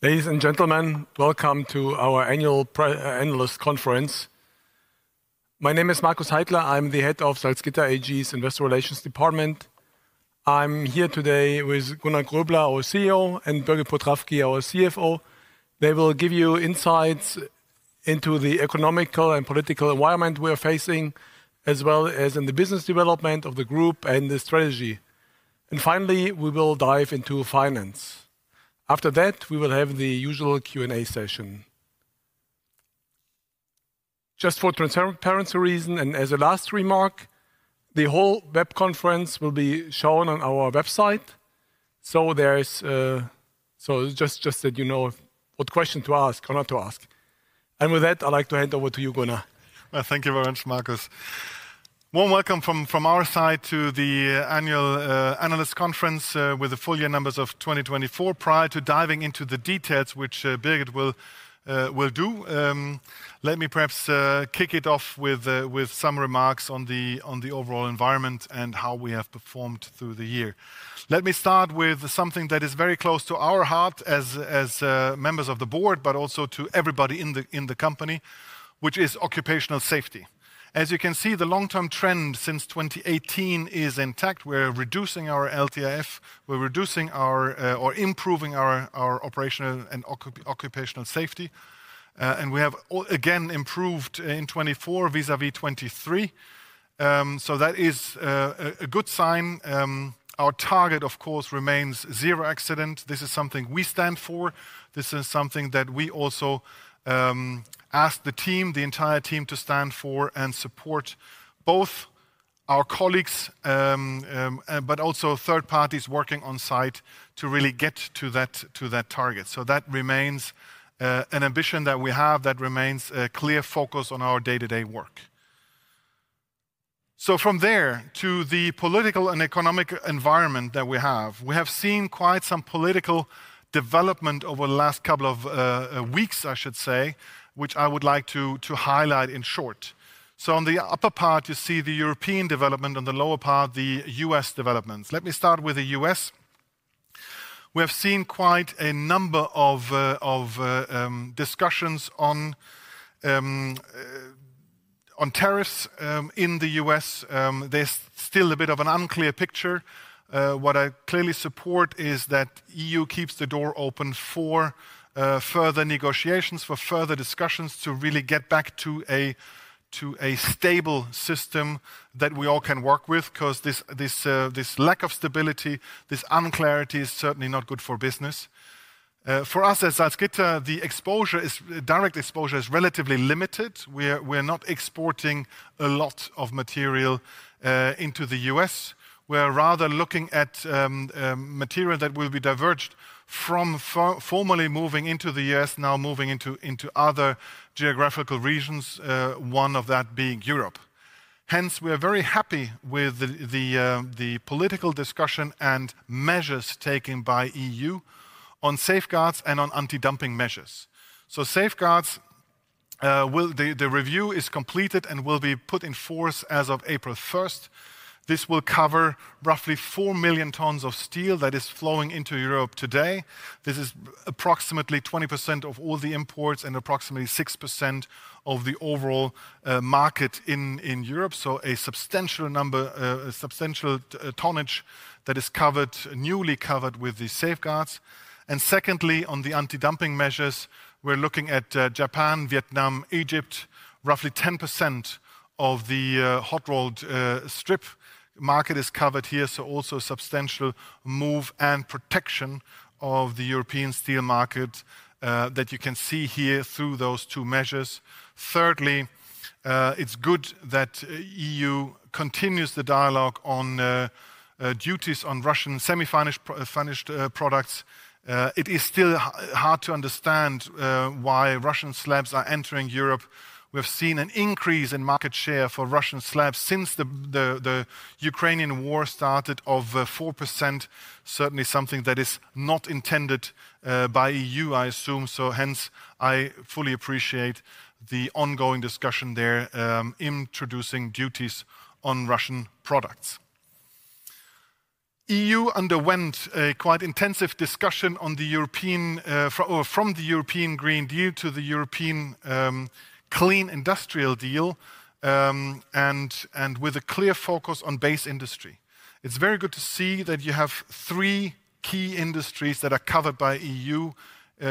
Ladies and gentlemen, welcome to our annual endless conference. My name is Markus Heidler. I'm the Head of Salzgitter AG's Investor Relations Department. I'm here today with Gunnar Groebler, our CEO, and Birgit Potrafki, our CFO. They will give you insights into the economical and political environment we are facing, as well as in the business development of the group and the strategy. Finally, we will dive into finance. After that, we will have the usual Q&A session. Just for transparency reasons and as a last remark, the whole web conference will be shown on our website. Just so that you know what question to ask or not to ask. With that, I'd like to hand over to you, Gunnar. Thank you very much, Markus. Warm welcome from our side to the annual analyst conference with the full year numbers of 2024. Prior to diving into the details, which Birgit will do, let me perhaps kick it off with some remarks on the overall environment and how we have performed through the year. Let me start with something that is very close to our heart as members of the board, but also to everybody in the company, which is occupational safety. As you can see, the long-term trend since 2018 is intact. We are reducing our LTIF. We are reducing or improving our operational and occupational safety. We have again improved in 2024 vis-à-vis 2023. That is a good sign. Our target, of course, remains zero accident. This is something we stand for. This is something that we also ask the team, the entire team, to stand for and support both our colleagues, but also third parties working on site to really get to that target. That remains an ambition that we have, that remains a clear focus on our day-to-day work. From there to the political and economic environment that we have, we have seen quite some political development over the last couple of weeks, I should say, which I would like to highlight in short. On the upper part, you see the European development; on the lower part, the U.S. developments. Let me start with the U.S. We have seen quite a number of discussions on tariffs in the U.S. There's still a bit of an unclear picture. What I clearly support is that the EU keeps the door open for further negotiations, for further discussions to really get back to a stable system that we all can work with, because this lack of stability, this unclarity is certainly not good for business. For us at Salzgitter, the exposure, direct exposure, is relatively limited. We are not exporting a lot of material into the U.S. We're rather looking at material that will be diverged from formerly moving into the U.S., now moving into other geographical regions, one of that being Europe. Hence, we are very happy with the political discussion and measures taken by the EU on safeguards and on anti-dumping measures. Safeguards, the review is completed and will be put in force as of April 1. This will cover roughly 4 million tons of steel that is flowing into Europe today. This is approximately 20% of all the imports and approximately 6% of the overall market in Europe. A substantial number, a substantial tonnage that is covered, newly covered with the safeguards. Secondly, on the anti-dumping measures, we're looking at Japan, Vietnam, Egypt, roughly 10% of the hot-rolled strip market is covered here. Also a substantial move and protection of the European steel market that you can see here through those two measures. Thirdly, it's good that the EU continues the dialogue on duties on Russian semi-finished products. It is still hard to understand why Russian slabs are entering Europe. We have seen an increase in market share for Russian slabs since the Ukrainian war started of 4%, certainly something that is not intended by the EU, I assume. I fully appreciate the ongoing discussion there, introducing duties on Russian products. The EU underwent a quite intensive discussion from the European Green Deal to the European Clean Industrial Deal, with a clear focus on base industry. It's very good to see that you have three key industries that are covered by the EU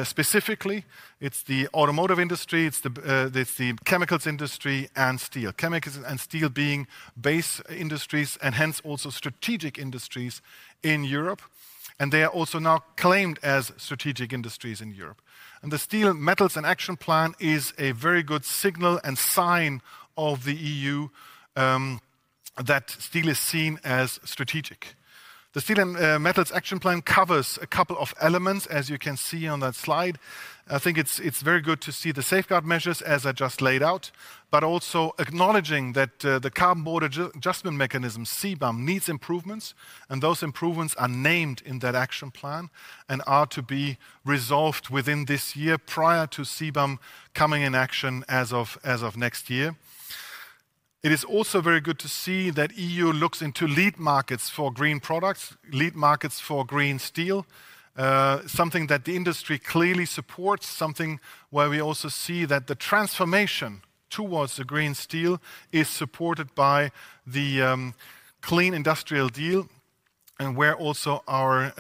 specifically. It's the automotive industry, it's the chemicals industry, and steel. Chemicals and steel being base industries, and hence also strategic industries in Europe. They are also now claimed as strategic industries in Europe. The Steel and Metals Action Plan is a very good signal and sign of the EU that steel is seen as strategic. The Steel and Metals Action Plan covers a couple of elements, as you can see on that slide. I think it's very good to see the safeguard measures, as I just laid out, but also acknowledging that the carbon border adjustment mechanism, CBAM, needs improvements. Those improvements are named in that action plan and are to be resolved within this year prior to CBAM coming in action as of next year. It is also very good to see that the EU looks into lead markets for green products, lead markets for green steel, something that the industry clearly supports, something where we also see that the transformation towards the green steel is supported by the Clean Industrial Deal. Where also our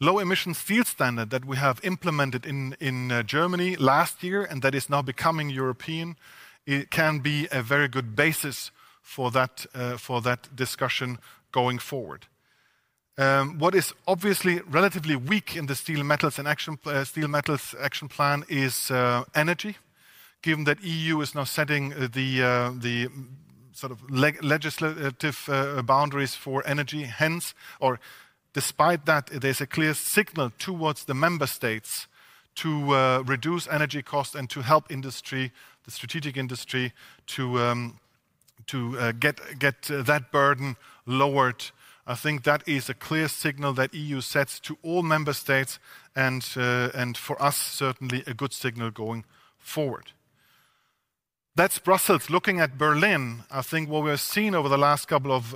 low-emission steel standard that we have implemented in Germany last year and that is now becoming European, it can be a very good basis for that discussion going forward. What is obviously relatively weak in the Steel and Metals Action Plan is energy, given that the EU is now setting the sort of legislative boundaries for energy. Hence, or despite that, there's a clear signal towards the member states to reduce energy costs and to help industry, the strategic industry, to get that burden lowered. I think that is a clear signal that the EU sets to all member states and for us, certainly a good signal going forward. That's Brussels. Looking at Berlin, I think what we have seen over the last couple of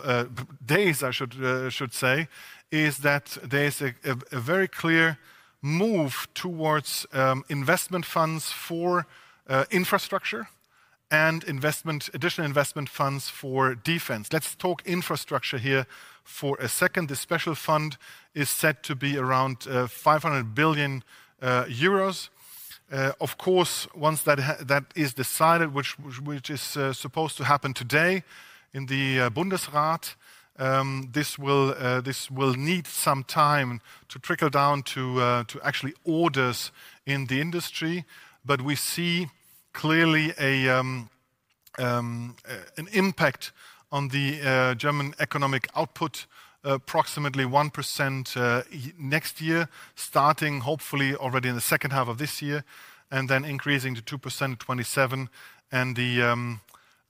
days, I should say, is that there's a very clear move towards investment funds for infrastructure and additional investment funds for defense. Let's talk infrastructure here for a second. The special fund is set to be around 500 billion euros. Of course, once that is decided, which is supposed to happen today in the Bundesrat, this will need some time to trickle down to actually orders in the industry. We see clearly an impact on the German economic output, approximately 1% next year, starting hopefully already in the second half of this year and then increasing to 2% in 2027.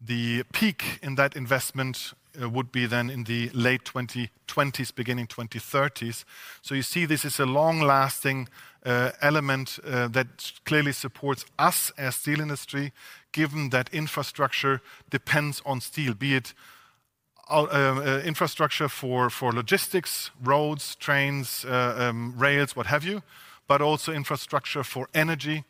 The peak in that investment would be in the late 2020s, beginning 2030s. You see this is a long-lasting element that clearly supports us as the steel industry, given that infrastructure depends on steel, be it infrastructure for logistics, roads, trains, rails, what have you, but also infrastructure for energy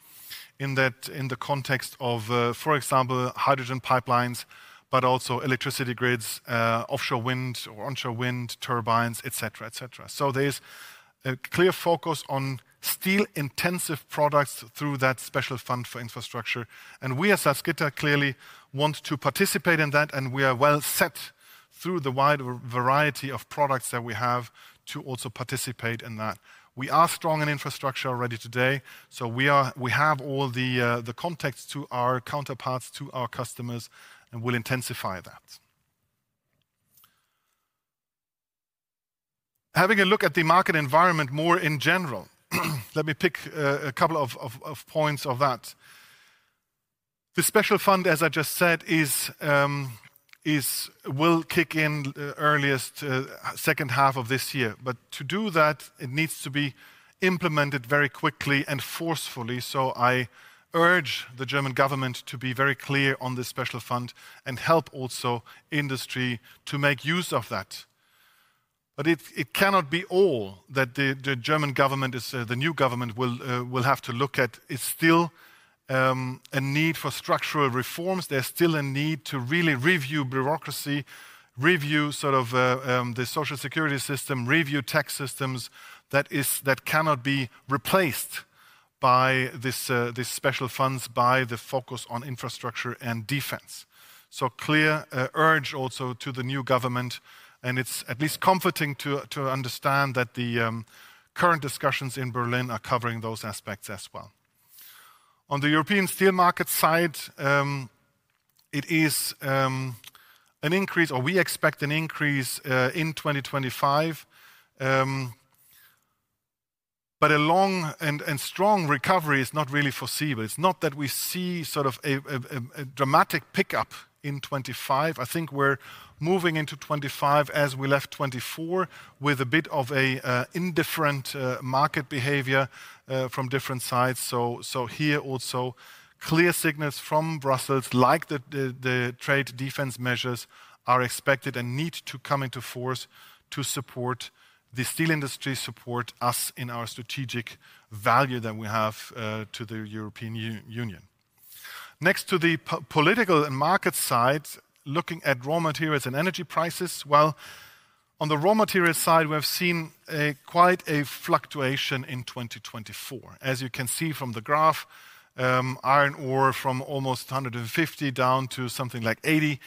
in the context of, for example, hydrogen pipelines, but also electricity grids, offshore wind or onshore wind turbines, et cetera, et cetera. There is a clear focus on steel-intensive products through that special fund for infrastructure. We at Salzgitter clearly want to participate in that, and we are well set through the wide variety of products that we have to also participate in that. We are strong in infrastructure already today. We have all the context to our counterparts, to our customers, and we will intensify that. Having a look at the market environment more in general, let me pick a couple of points of that. The special fund, as I just said, will kick in earliest second half of this year. To do that, it needs to be implemented very quickly and forcefully. I urge the German government to be very clear on the special fund and help also industry to make use of that. It cannot be all that the German government, the new government, will have to look at. There is still a need for structural reforms. is still a need to really review bureaucracy, review sort of the social security system, review tax systems that cannot be replaced by these special funds, by the focus on infrastructure and defense. A clear urge also to the new government. It is at least comforting to understand that the current discussions in Berlin are covering those aspects as well. On the European steel market side, it is an increase, or we expect an increase in 2025. A long and strong recovery is not really foreseeable. It is not that we see sort of a dramatic pickup in 2025. I think we are moving into 2025 as we left 2024 with a bit of an indifferent market behavior from different sides. Here also, clear signals from Brussels, like the trade defense measures, are expected and need to come into force to support the steel industry, support us in our strategic value that we have to the European Union. Next to the political and market side, looking at raw materials and energy prices, on the raw materials side, we have seen quite a fluctuation in 2024. As you can see from the graph, iron ore from almost 150 down to something like 80,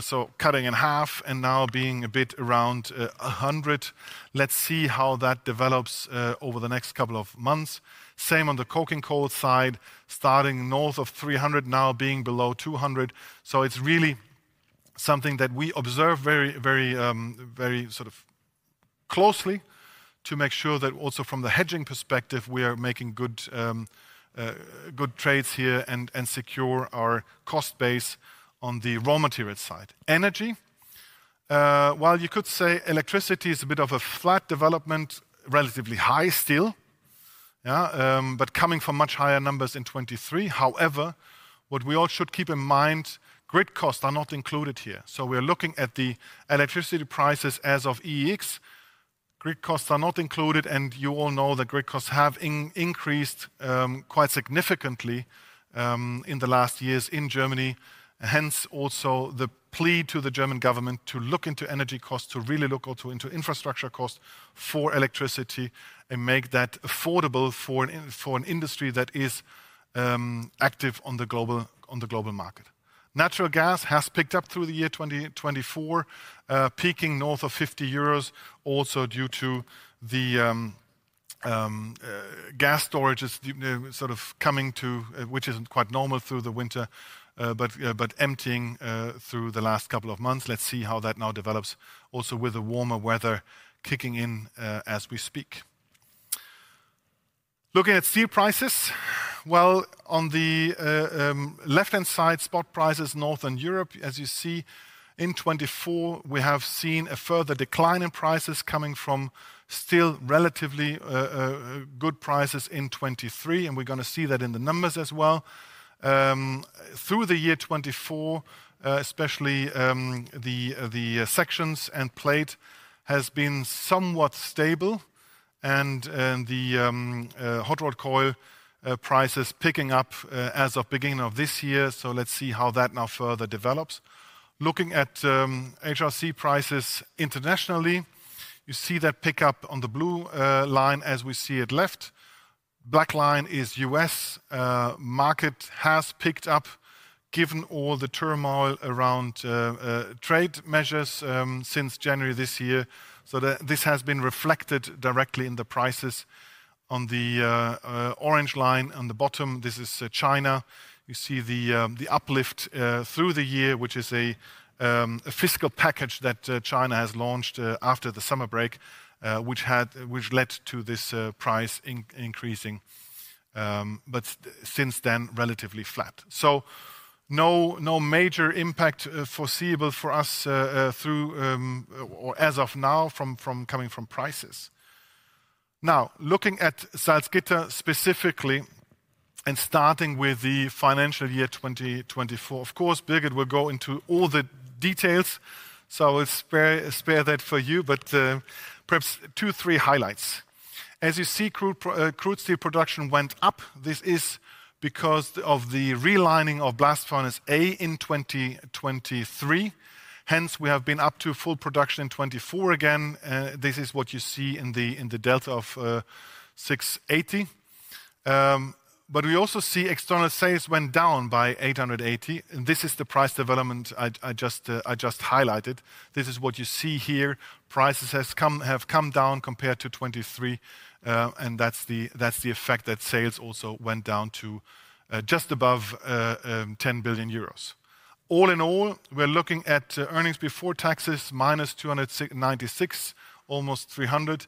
so cutting in half and now being a bit around 100. Let's see how that develops over the next couple of months. Same on the coking coal side, starting north of 300, now being below 200. It is really something that we observe very sort of closely to make sure that also from the hedging perspective, we are making good trades here and secure our cost base on the raw materials side. Energy, while you could say electricity is a bit of a flat development, relatively high still, but coming from much higher numbers in 2023. However, what we all should keep in mind, grid costs are not included here. We are looking at the electricity prices as of EX. Grid costs are not included. You all know that grid costs have increased quite significantly in the last years in Germany. Hence, also the plea to the German government to look into energy costs, to really look into infrastructure costs for electricity and make that affordable for an industry that is active on the global market. Natural gas has picked up through the year 2024, peaking north of 50 euros, also due to the gas storages sort of coming to, which is not quite normal through the winter, but emptying through the last couple of months. Let's see how that now develops, also with the warmer weather kicking in as we speak. Looking at steel prices, on the left-hand side, spot prices northern Europe, as you see in 2024, we have seen a further decline in prices coming from still relatively good prices in 2023. We are going to see that in the numbers as well. Through the year 2024, especially the sections and plate has been somewhat stable and the hot-rolled coil prices picking up as of beginning of this year. Let's see how that now further develops. Looking at HRC prices internationally, you see that pickup on the blue line as we see it left. Black line is US market has picked up, given all the turmoil around trade measures since January this year. This has been reflected directly in the prices. On the orange line on the bottom, this is China. You see the uplift through the year, which is a fiscal package that China has launched after the summer break, which led to this price increasing. Since then, relatively flat. No major impact foreseeable for us through or as of now from coming from prices. Now, looking at Salzgitter specifically and starting with the financial year 2024, of course, Birgit will go into all the details. I will spare that for you, but perhaps two, three highlights. As you see, crude steel production went up. This is because of the realigning of blast furnace A in 2023. Hence, we have been up to full production in 2024 again. This is what you see in the delta of 680. We also see external sales went down by 880. This is the price development I just highlighted. This is what you see here. Prices have come down compared to 2023. That is the effect that sales also went down to just above 10 billion euros. All in all, we're looking at earnings before taxes, minus 296 million, almost 300 million.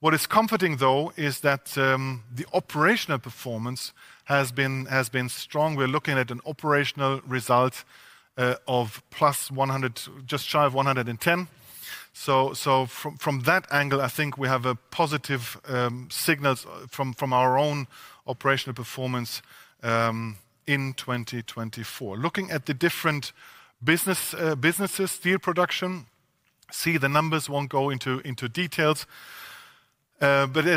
What is comforting, though, is that the operational performance has been strong. We're looking at an operational result of plus 100 million, just shy of 110 million. From that angle, I think we have positive signals from our own operational performance in 2024. Looking at the different businesses, steel production, see the numbers won't go into details.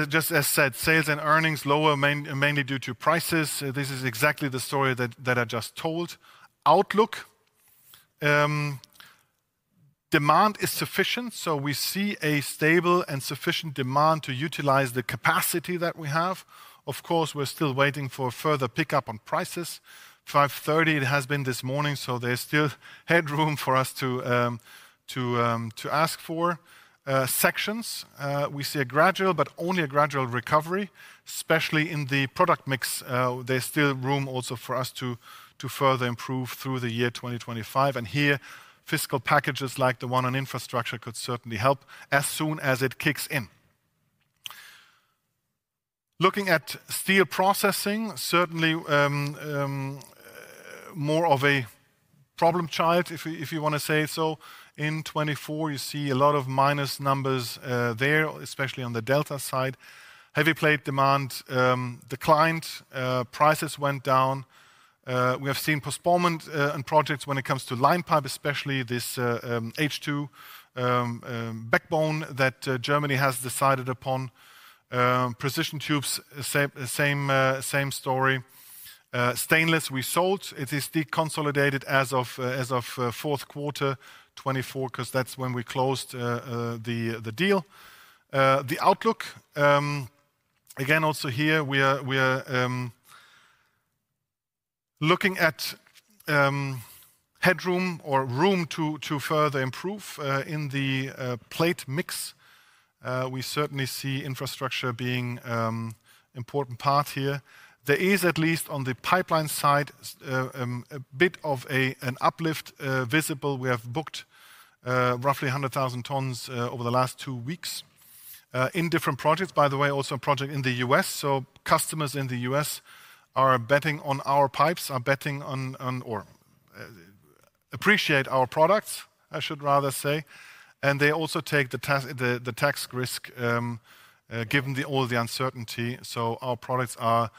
Just as said, sales and earnings lower, mainly due to prices. This is exactly the story that I just told. Outlook, demand is sufficient. We see a stable and sufficient demand to utilize the capacity that we have. Of course, we're still waiting for further pickup on prices. 530, it has been this morning. There is still headroom for us to ask for. Sections, we see a gradual, but only a gradual recovery, especially in the product mix. There is still room also for us to further improve through the year 2025. Here, fiscal packages like the one on infrastructure could certainly help as soon as it kicks in. Looking at steel processing, certainly more of a problem child, if you want to say so. In 2024, you see a lot of minus numbers there, especially on the delta side. Heavy plate demand declined. Prices went down. We have seen postponement and projects when it comes to line pipe, especially this H2 backbone that Germany has decided upon. Precision tubes, same story. Stainless, we sold. It is deconsolidated as of fourth quarter 2024, because that's when we closed the deal. The outlook, again, also here, we are looking at headroom or room to further improve in the plate mix. We certainly see infrastructure being an important part here. There is, at least on the pipeline side, a bit of an uplift visible. We have booked roughly 100,000 tons over the last two weeks in different projects, by the way, also a project in the U.S., Customers in the U.S. are betting on our pipes, are betting on or appreciate our products, I should rather say. They also take the tax risk given all the uncertainty. Our products are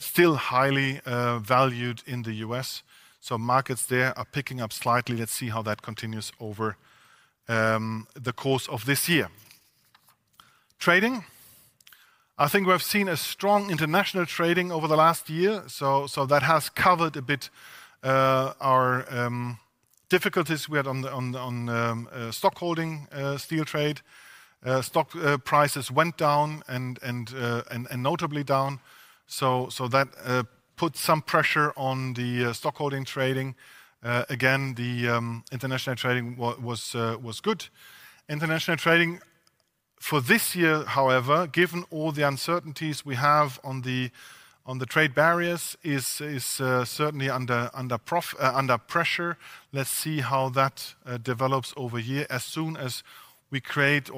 still highly valued in the U.S., Markets there are picking up slightly. Let's see how that continues over the course of this year. Trading, I think we've seen strong international trading over the last year. That has covered a bit our difficulties we had on stockholding steel trade. Stock prices went down and notably down. That put some pressure on the stockholding trading. Again, the international trading was good. International trading for this year, however, given all the uncertainties we have on the trade barriers, is certainly under pressure. Let's see how that develops over here. As soon as we create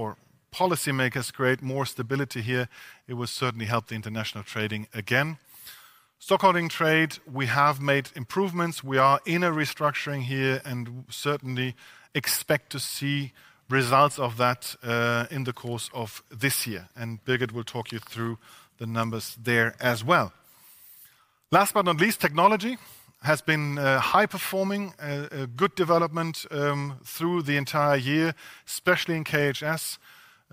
or policymakers create more stability here, it will certainly help the international trading again. Stockholding trade, we have made improvements. We are in a restructuring here and certainly expect to see results of that in the course of this year. Birgit will talk you through the numbers there as well. Last but not least, technology has been high performing, a good development through the entire year, especially in KHS.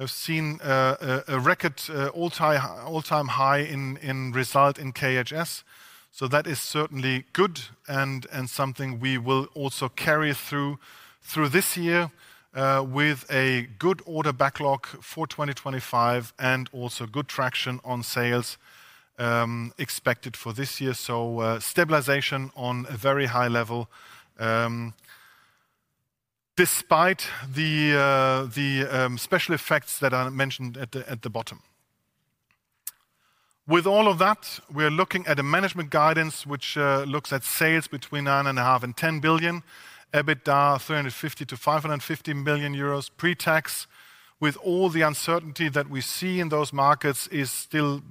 I've seen a record all-time high in result in KHS. That is certainly good and something we will also carry through this year with a good order backlog for 2025 and also good traction on sales expected for this year. Stabilization on a very high level despite the special effects that I mentioned at the bottom. With all of that, we're looking at a management guidance, which looks at sales between 9.5 billion and 10 billion, EBITDA 350 million-550 million euros pre-tax. With all the uncertainty that we see in those markets, it is still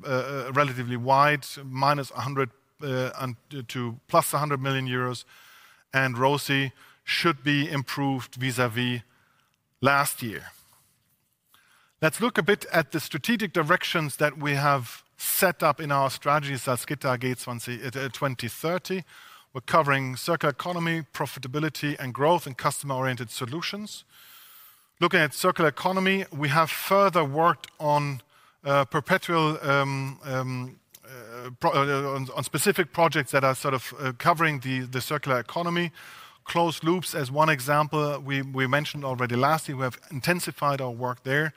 relatively wide, minus 100 million to plus 100 million euros. Rosie should be improved vis-à-vis last year. Let's look a bit at the strategic directions that we have set up in our stratey, Salzgitter AG 2030. We're covering circular economy, profitability, and growth and customer-oriented solutions. Looking at circular economy, we have further worked on specific projects that are sort of covering the circular economy. Closed loops, as one example, we mentioned already last year. We have intensified our work there,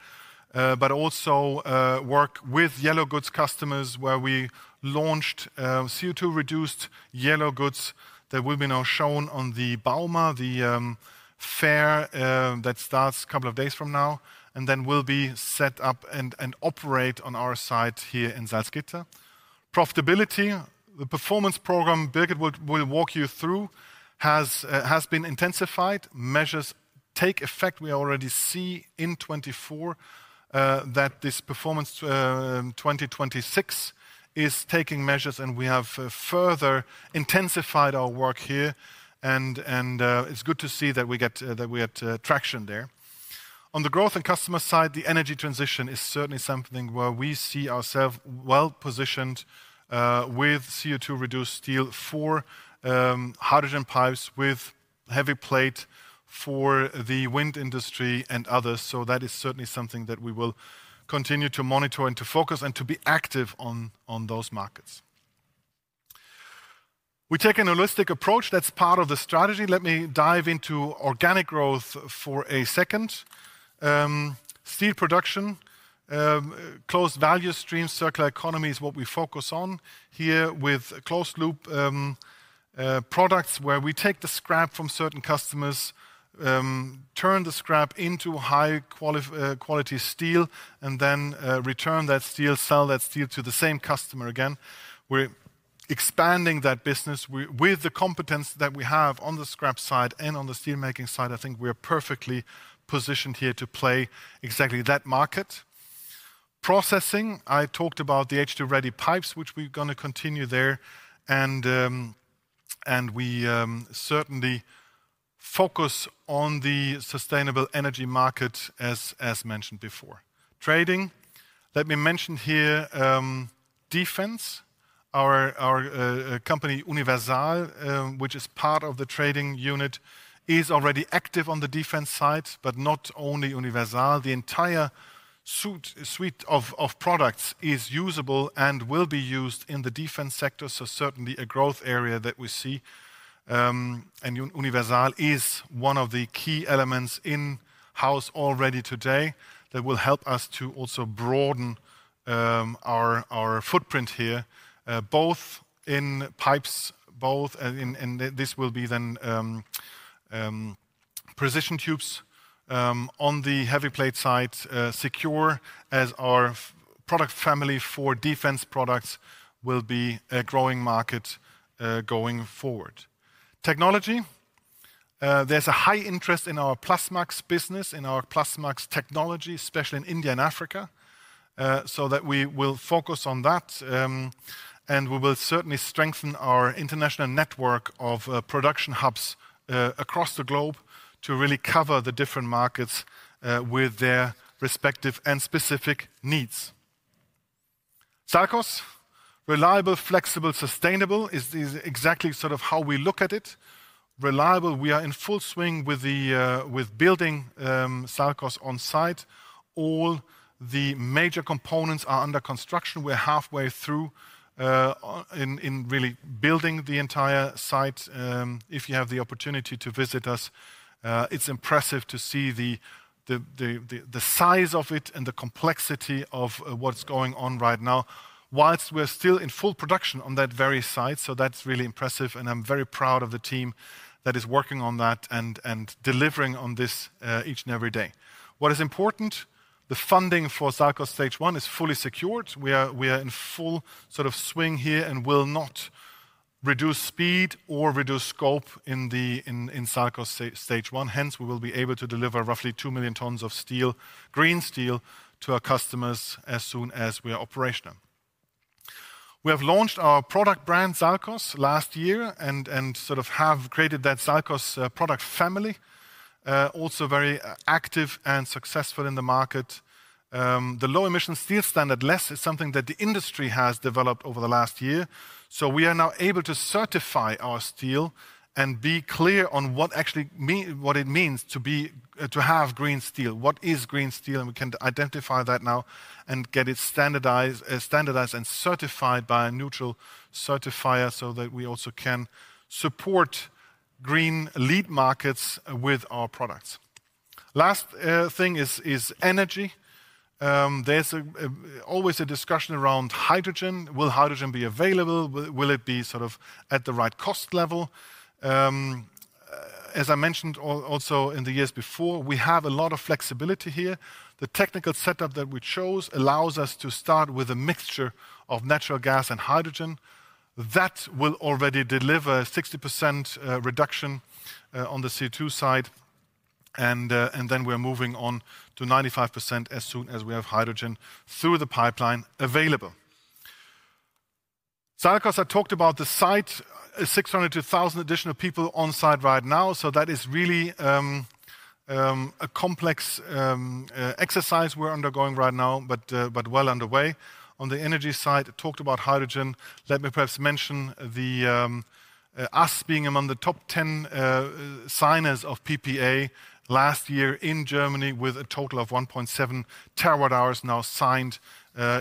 but also work with yellow goods customers where we launched CO2-reduced yellow goods that will be now shown on the Bauma, the fair that starts a couple of days from now, and then will be set up and operate on our site here in Salzgitter. Profitability, the performance program, Birgit will walk you through, has been intensified. Measures take effect. We already see in 2024 that this performance 2026 is taking measures, and we have further intensified our work here. It is good to see that we get traction there. On the growth and customer side, the energy transition is certainly something where we see ourselves well positioned with CO2-reduced steel for hydrogen pipes, with heavy plate for the wind industry and others. That is certainly something that we will continue to monitor and to focus and to be active on those markets. We take a holistic approach. That is part of the strategy. Let me dive into organic growth for a second. Steel production, closed value streams, circular economy is what we focus on here with closed loop products where we take the scrap from certain customers, turn the scrap into high-quality steel, and then return that steel, sell that steel to the same customer again. We are expanding that business with the competence that we have on the scrap side and on the steelmaking side. I think we're perfectly positioned here to play exactly that market. Processing, I talked about the H2-ready pipes, which we're going to continue there. We certainly focus on the sustainable energy market, as mentioned before. Trading, let me mention here defense. Our company, Universal, which is part of the trading unit, is already active on the defense side, but not only Universal. The entire suite of products is usable and will be used in the defense sector. Certainly a growth area that we see. Universal is one of the key elements in-house already today that will help us to also broaden our footprint here, both in pipes, both in this will be then precision tubes on the heavy plate side, secure as our product family for defense products will be a growing market going forward. Technology, there's a high interest in our Plasmax business, in our Plasmax technology, especially in India and Africa. We will focus on that. We will certainly strengthen our international network of production hubs across the globe to really cover the different markets with their respective and specific needs. SALCOS, reliable, flexible, sustainable, is exactly sort of how we look at it. Reliable, we are in full swing with building SALCOS on site. All the major components are under construction. We're halfway through in really building the entire site. If you have the opportunity to visit us, it's impressive to see the size of it and the complexity of what's going on right now whilst we're still in full production on that very site. That's really impressive. I'm very proud of the team that is working on that and delivering on this each and every day. What is important, the funding for SALCOS stage one is fully secured. We are in full sort of swing here and will not reduce speed or reduce scope in SALCOS stage one. Hence, we will be able to deliver roughly 2 million tons of steel, green steel to our customers as soon as we are operational. We have launched our product brand, SALCOS, last year and sort of have created that SALCOS product family, also very active and successful in the market. The low emission steel standard, LESS, is something that the industry has developed over the last year. So we are now able to certify our steel and be clear on what actually means to have green steel. What is green steel? We can identify that now and get it standardized and certified by a neutral certifier so that we also can support green lead markets with our products. The last thing is energy. There is always a discussion around hydrogen. Will hydrogen be available? Will it be sort of at the right cost level? As I mentioned also in the years before, we have a lot of flexibility here. The technical setup that we chose allows us to start with a mixture of natural gas and hydrogen. That will already deliver a 60% reduction on the CO2 side. We are moving on to 95% as soon as we have hydrogen through the pipeline available. SALCOS, I talked about the site, 600-1,000 additional people on site right now. That is really a complex exercise we are undergoing right now, but well underway. On the energy side, I talked about hydrogen. Let me perhaps mention us being among the top 10 signers of PPA last year in Germany with a total of 1.7 terawatt hours now signed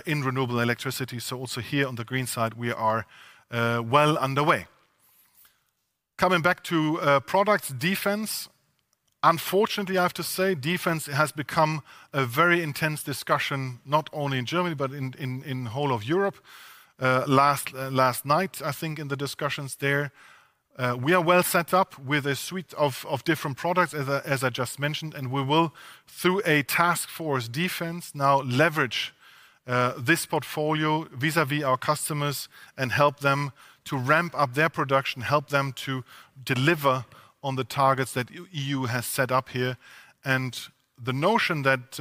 in renewable electricity. Here on the green side, we are well underway. Coming back to products, defense, unfortunately, I have to say, defense has become a very intense discussion not only in Germany, but in the whole of Europe. Last night, I think in the discussions there, we are well set up with a suite of different products, as I just mentioned, and we will, through a task force defense, now leverage this portfolio vis-à-vis our customers and help them to ramp up their production, help them to deliver on the targets that the EU has set up here. The notion that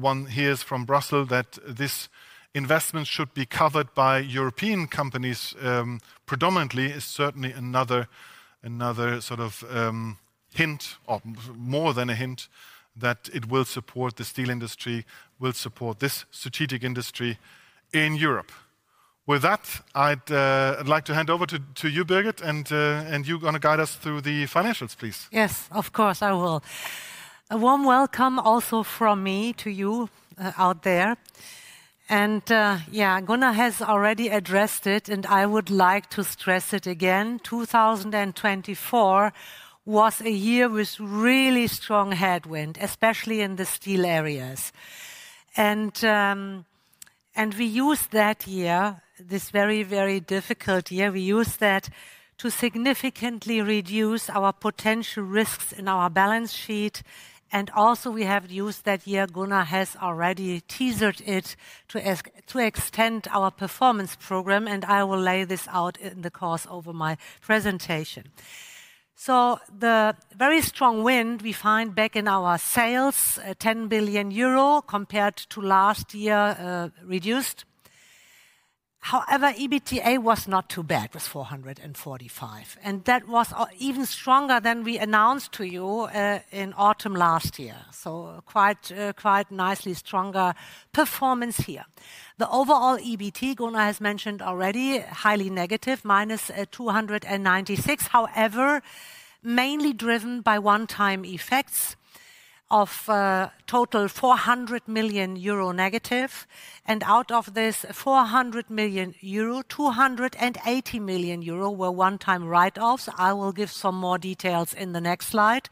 one hears from Brussels that this investment should be covered by European companies predominantly is certainly another sort of hint, or more than a hint, that it will support the steel industry, will support this strategic industry in Europe. With that, I'd like to hand over to you, Birgit, and you're going to guide us through the financials, please. Yes, of course, I will. A warm welcome also from me to you out there. Yeah, Gunnar has already addressed it, and I would like to stress it again. 2024 was a year with really strong headwind, especially in the steel areas. We used that year, this very, very difficult year, we used that to significantly reduce our potential risks in our balance sheet. Also, we have used that year, Gunnar has already teasered it, to extend our performance program. I will lay this out in the course over my presentation. The very strong wind we find back in our sales, 10 billion euro compared to last year reduced. However, EBITDA was not too bad, was 445 million. That was even stronger than we announced to you in autumn last year. Quite nicely stronger performance here. The overall EBIT, Gunnar has mentioned already, highly negative, minus 296 million. However, mainly driven by one-time effects of total 400 million euro negative. Out of this 400 million euro, 280 million euro were one-time write-offs. I will give some more details in the next slide.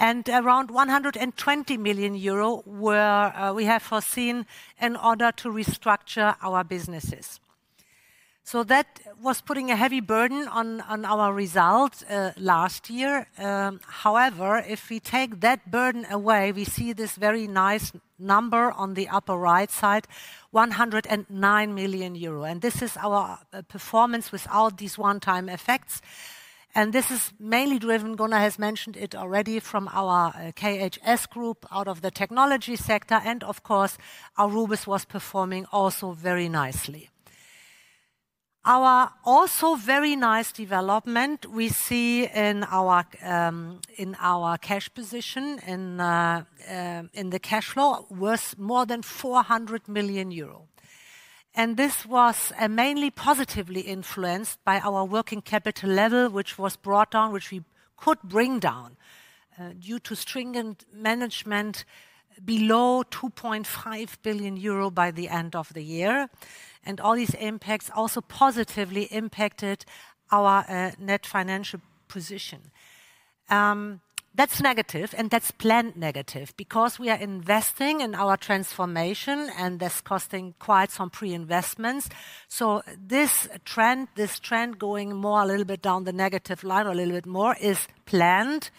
Around 120 million euro we have foreseen in order to restructure our businesses. That was putting a heavy burden on our results last year. However, if we take that burden away, we see this very nice number on the upper right side, 109 million euro. This is our performance without these one-time effects. This is mainly driven, Gunnar has mentioned it already, from our KHS group out of the technology sector. Of course, Aurubis was performing also very nicely. Our also very nice development we see in our cash position in the cash flow was more than 400 million euro. This was mainly positively influenced by our working capital level, which was brought down, which we could bring down due to stringent management below 2.5 billion euro by the end of the year. All these impacts also positively impacted our net financial position. That's negative and that's planned negative because we are investing in our transformation and that's costing quite some pre-investments. This trend, this trend going more a little bit down the negative line or a little bit more is planned.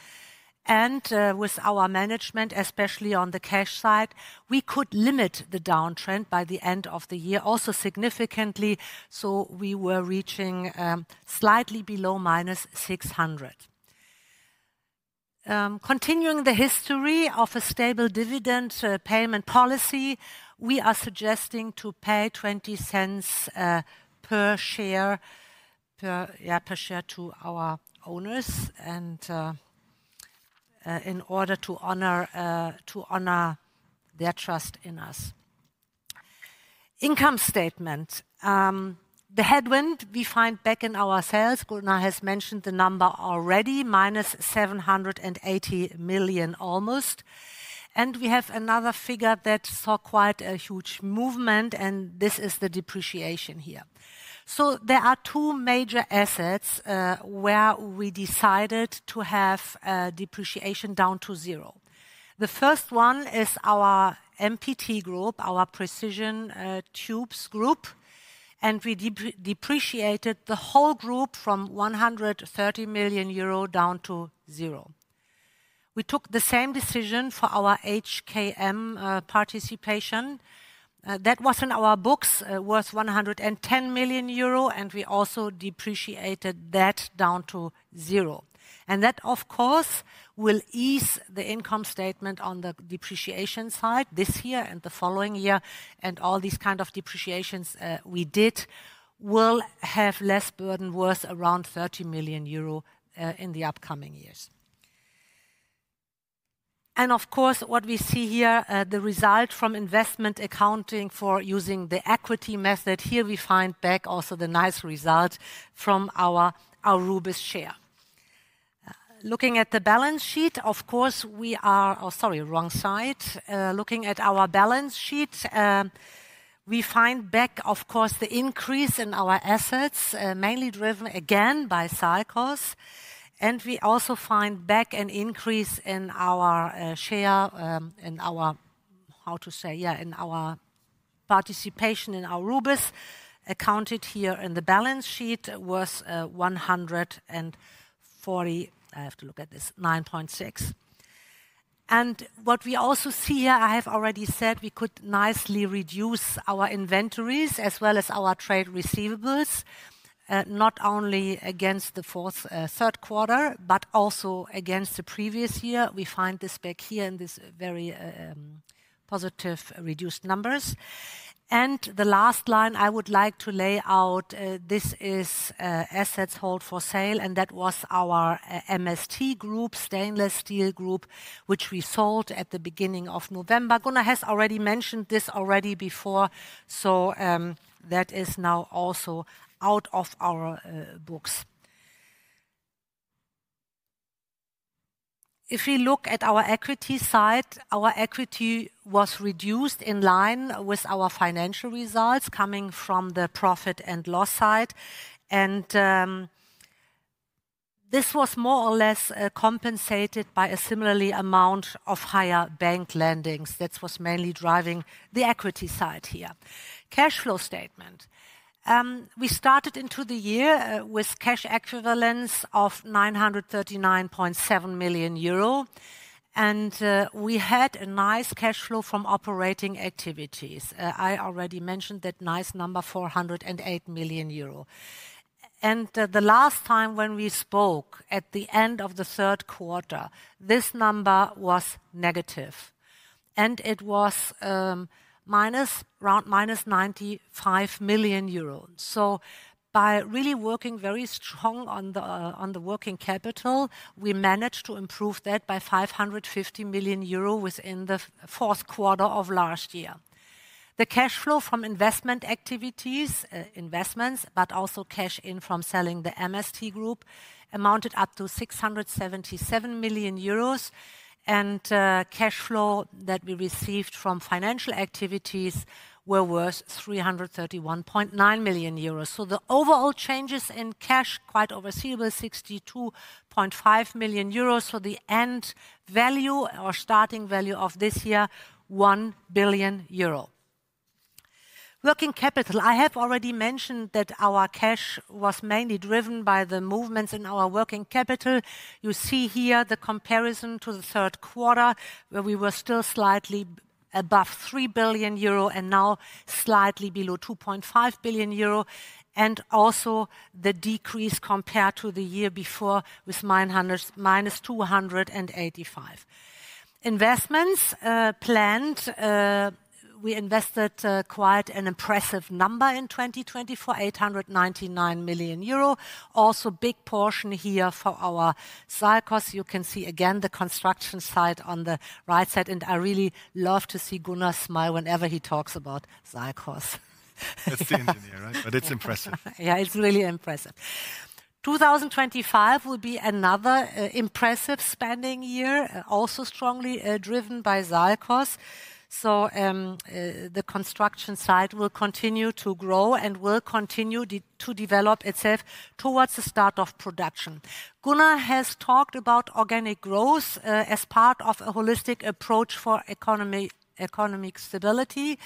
With our management, especially on the cash side, we could limit the downtrend by the end of the year also significantly. We were reaching slightly below minus 600 million. Continuing the history of a stable dividend payment policy, we are suggesting to pay 0.20 per share to our owners in order to honor their trust in us. Income statement, the headwind we find back in our sales, Gunnar has mentioned the number already, minus 780 million almost. We have another figure that saw quite a huge movement, and this is the depreciation here. There are two major assets where we decided to have depreciation down to zero. The first one is our MPT group, our precision tubes group. We depreciated the whole group from 130 million euro down to zero. We took the same decision for our HKM participation. That was in our books worth 110 million euro, and we also depreciated that down to zero. That, of course, will ease the income statement on the depreciation side this year and the following year. All these kinds of depreciations we did will have less burden worth around 30 million euro in the upcoming years. What we see here, the result from investment accounting for using the equity method here, we find back also the nice result from our Aurubis share. Looking at the balance sheet, we are, sorry, wrong side. Looking at our balance sheet, we find back, of course, the increase in our assets, mainly driven again by SALCOS. We also find back an increase in our share in our, how to say, yeah, in our participation in Aurubis accounted here in the balance sheet was 149.6. What we also see here, I have already said, we could nicely reduce our inventories as well as our trade receivables, not only against the third quarter, but also against the previous year. We find this back here in these very positive reduced numbers. The last line I would like to lay out, this is assets held for sale, and that was our MST group, stainless steel group, which we sold at the beginning of November. Gunnar has already mentioned this already before, so that is now also out of our books. If we look at our equity side, our equity was reduced in line with our financial results coming from the profit and loss side. This was more or less compensated by a similar amount of higher bank lendings. That was mainly driving the equity side here. Cash flow statement, we started into the year with cash equivalence of 939.7 million euro. We had a nice cash flow from operating activities. I already mentioned that nice number, 408 million euro. The last time when we spoke at the end of the third quarter, this number was negative. It was minus around minus 95 million euros. By really working very strong on the working capital, we managed to improve that by 550 million euro within the fourth quarter of last year. The cash flow from investment activities, investments, but also cash in from selling the MST group amounted up to 677 million euros. Cash flow that we received from financial activities were worth 331.9 million euros. The overall changes in cash, quite overseeable, 62.5 million euros for the end value or starting value of this year, 1 billion euro. Working capital, I have already mentioned that our cash was mainly driven by the movements in our working capital. You see here the comparison to the third quarter where we were still slightly above 3 billion euro and now slightly below 2.5 billion euro. Also the decrease compared to the year before with minus 285. Investments planned, we invested quite an impressive number in 2024, 899 million euro. Also big portion here for our SALCOS. You can see again the construction site on the right side. I really love to see Gunnar smile whenever he talks about SALCOS. That's the engineer, right? It is impressive. Yeah, it's really impressive. 2025 will be another impressive spending year, also strongly driven by SALCOS. The construction site will continue to grow and will continue to develop itself towards the start of production. Gunnar has talked about organic growth as part of a holistic approach for economic stability.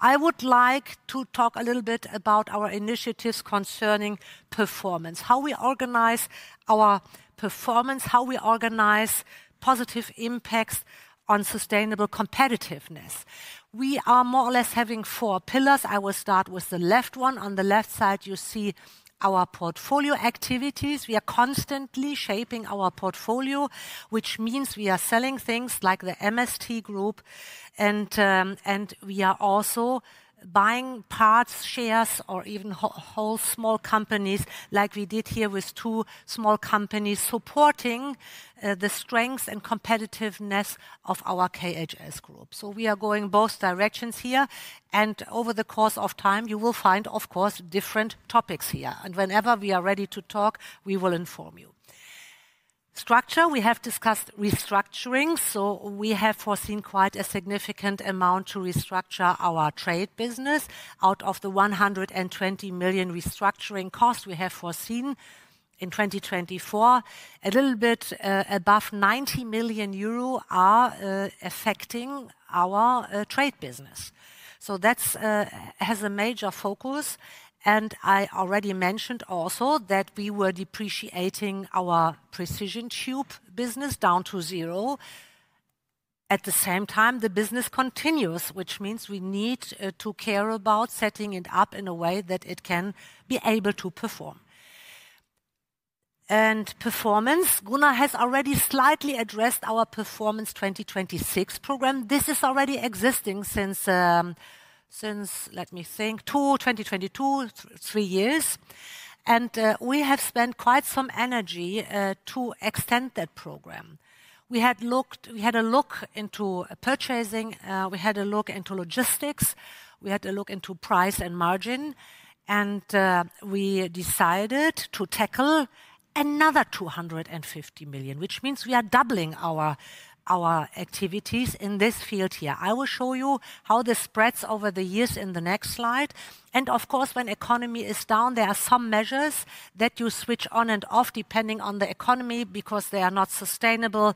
I would like to talk a little bit about our initiatives concerning performance, how we organize our performance, how we organize positive impacts on sustainable competitiveness. We are more or less having four pillars. I will start with the left one. On the left side, you see our portfolio activities. We are constantly shaping our portfolio, which means we are selling things like the MST group. We are also buying parts, shares, or even whole small companies like we did here with two small companies supporting the strengths and competitiveness of our KHS group. We are going both directions here. Over the course of time, you will find, of course, different topics here. Whenever we are ready to talk, we will inform you. Structure, we have discussed restructuring. We have foreseen quite a significant amount to restructure our trade business. Out of the 120 million restructuring costs we have foreseen in 2024, a little bit above 90 million euro are affecting our trade business. That has a major focus. I already mentioned also that we were depreciating our precision tube business down to zero. At the same time, the business continues, which means we need to care about setting it up in a way that it can be able to perform. Performance, Gunnar has already slightly addressed our Performance 2026 program. This is already existing since, let me think, 2022, three years. We have spent quite some energy to extend that program. We had a look into purchasing, we had a look into logistics, we had a look into price and margin, and we decided to tackle another 250 million, which means we are doubling our activities in this field here. I will show you how this spreads over the years in the next slide. Of course, when the economy is down, there are some measures that you switch on and off depending on the economy because they are not sustainable,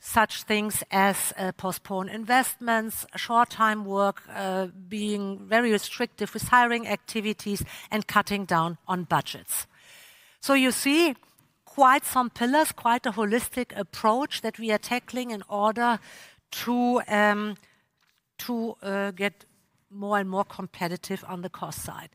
such things as postpone investments, short-time work, being very restrictive with hiring activities, and cutting down on budgets. You see quite some pillars, quite a holistic approach that we are tackling in order to get more and more competitive on the cost side.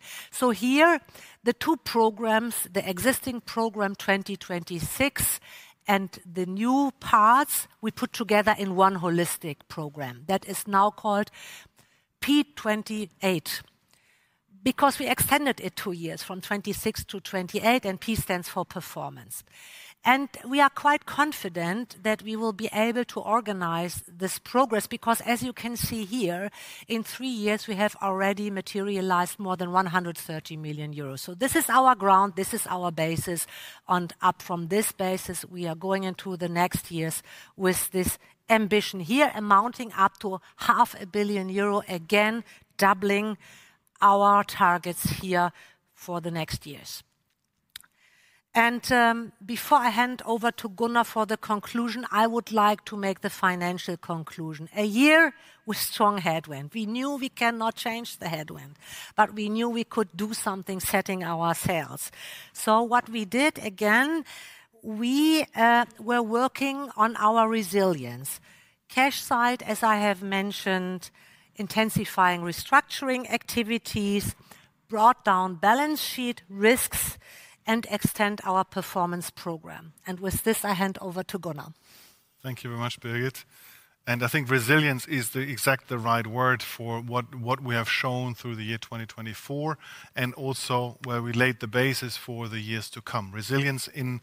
Here, the two programs, the existing program 2026 and the new parts, we put together in one holistic program that is now called P28 because we extended it two years from 2026 to 2028, and P stands for performance. We are quite confident that we will be able to organize this progress because, as you can see here, in three years, we have already materialized more than 130 million euros. This is our ground, this is our basis. Up from this basis, we are going into the next years with this ambition here amounting up to 500,000,000 euro again, doubling our targets here for the next years. Before I hand over to Gunnar for the conclusion, I would like to make the financial conclusion. A year with strong headwind. We knew we cannot change the headwind, but we knew we could do something setting our sails. What we did again, we were working on our resilience. Cash side, as I have mentioned, intensifying restructuring activities, brought down balance sheet risks, and extend our performance program. With this, I hand over to Gunnar. Thank you very much, Birgit. I think resilience is the exact right word for what we have shown through the year 2024 and also where we laid the basis for the years to come. Resilience in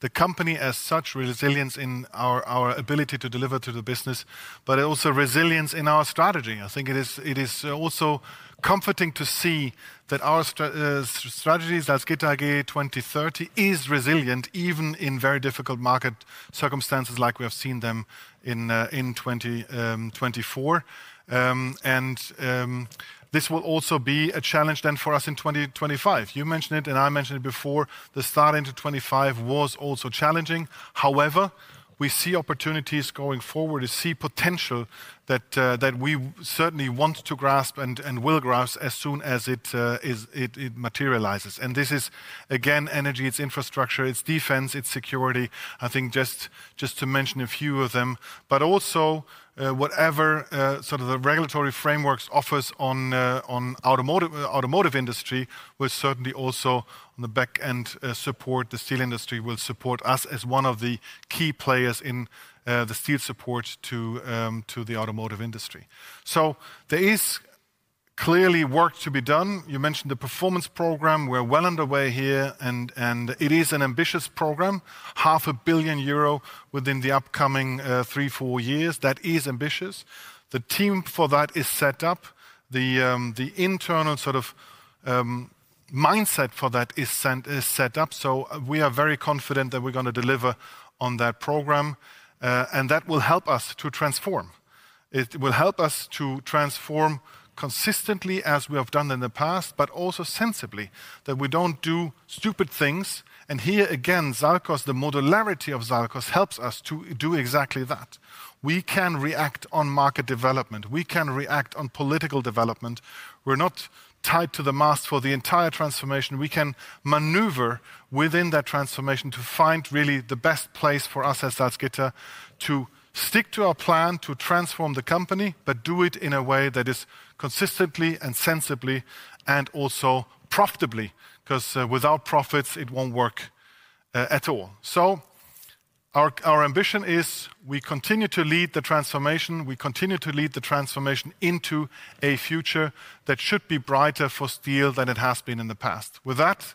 the company as such, resilience in our ability to deliver to the business, but also resilience in our strategy. I think it is also comforting to see that our strategy as GitAG 2030 is resilient even in very difficult market circumstances like we have seen them in 2024. This will also be a challenge then for us in 2025. You mentioned it, and I mentioned it before. The start into 2025 was also challenging. However, we see opportunities going forward, see potential that we certainly want to grasp and will grasp as soon as it materializes. This is again, energy, it's infrastructure, it's defense, it's security. I think just to mention a few of them, but also whatever sort of the regulatory frameworks offers on the automotive industry will certainly also on the back end support the steel industry will support us as one of the key players in the steel support to the automotive industry. There is clearly work to be done. You mentioned the performance program. We're well underway here, and it is an ambitious program, 500 million euro within the upcoming three, four years. That is ambitious. The team for that is set up. The internal sort of mindset for that is set up. We are very confident that we're going to deliver on that program, and that will help us to transform. It will help us to transform consistently as we have done in the past, but also sensibly that we don't do stupid things. Here again, SALCOS, the modularity of SALCOS helps us to do exactly that. We can react on market development. We can react on political development. We're not tied to the mast for the entire transformation. We can maneuver within that transformation to find really the best place for us as Salzgitter to stick to our plan to transform the company, but do it in a way that is consistently and sensibly and also profitably because without profits, it won't work at all. Our ambition is we continue to lead the transformation. We continue to lead the transformation into a future that should be brighter for steel than it has been in the past. With that,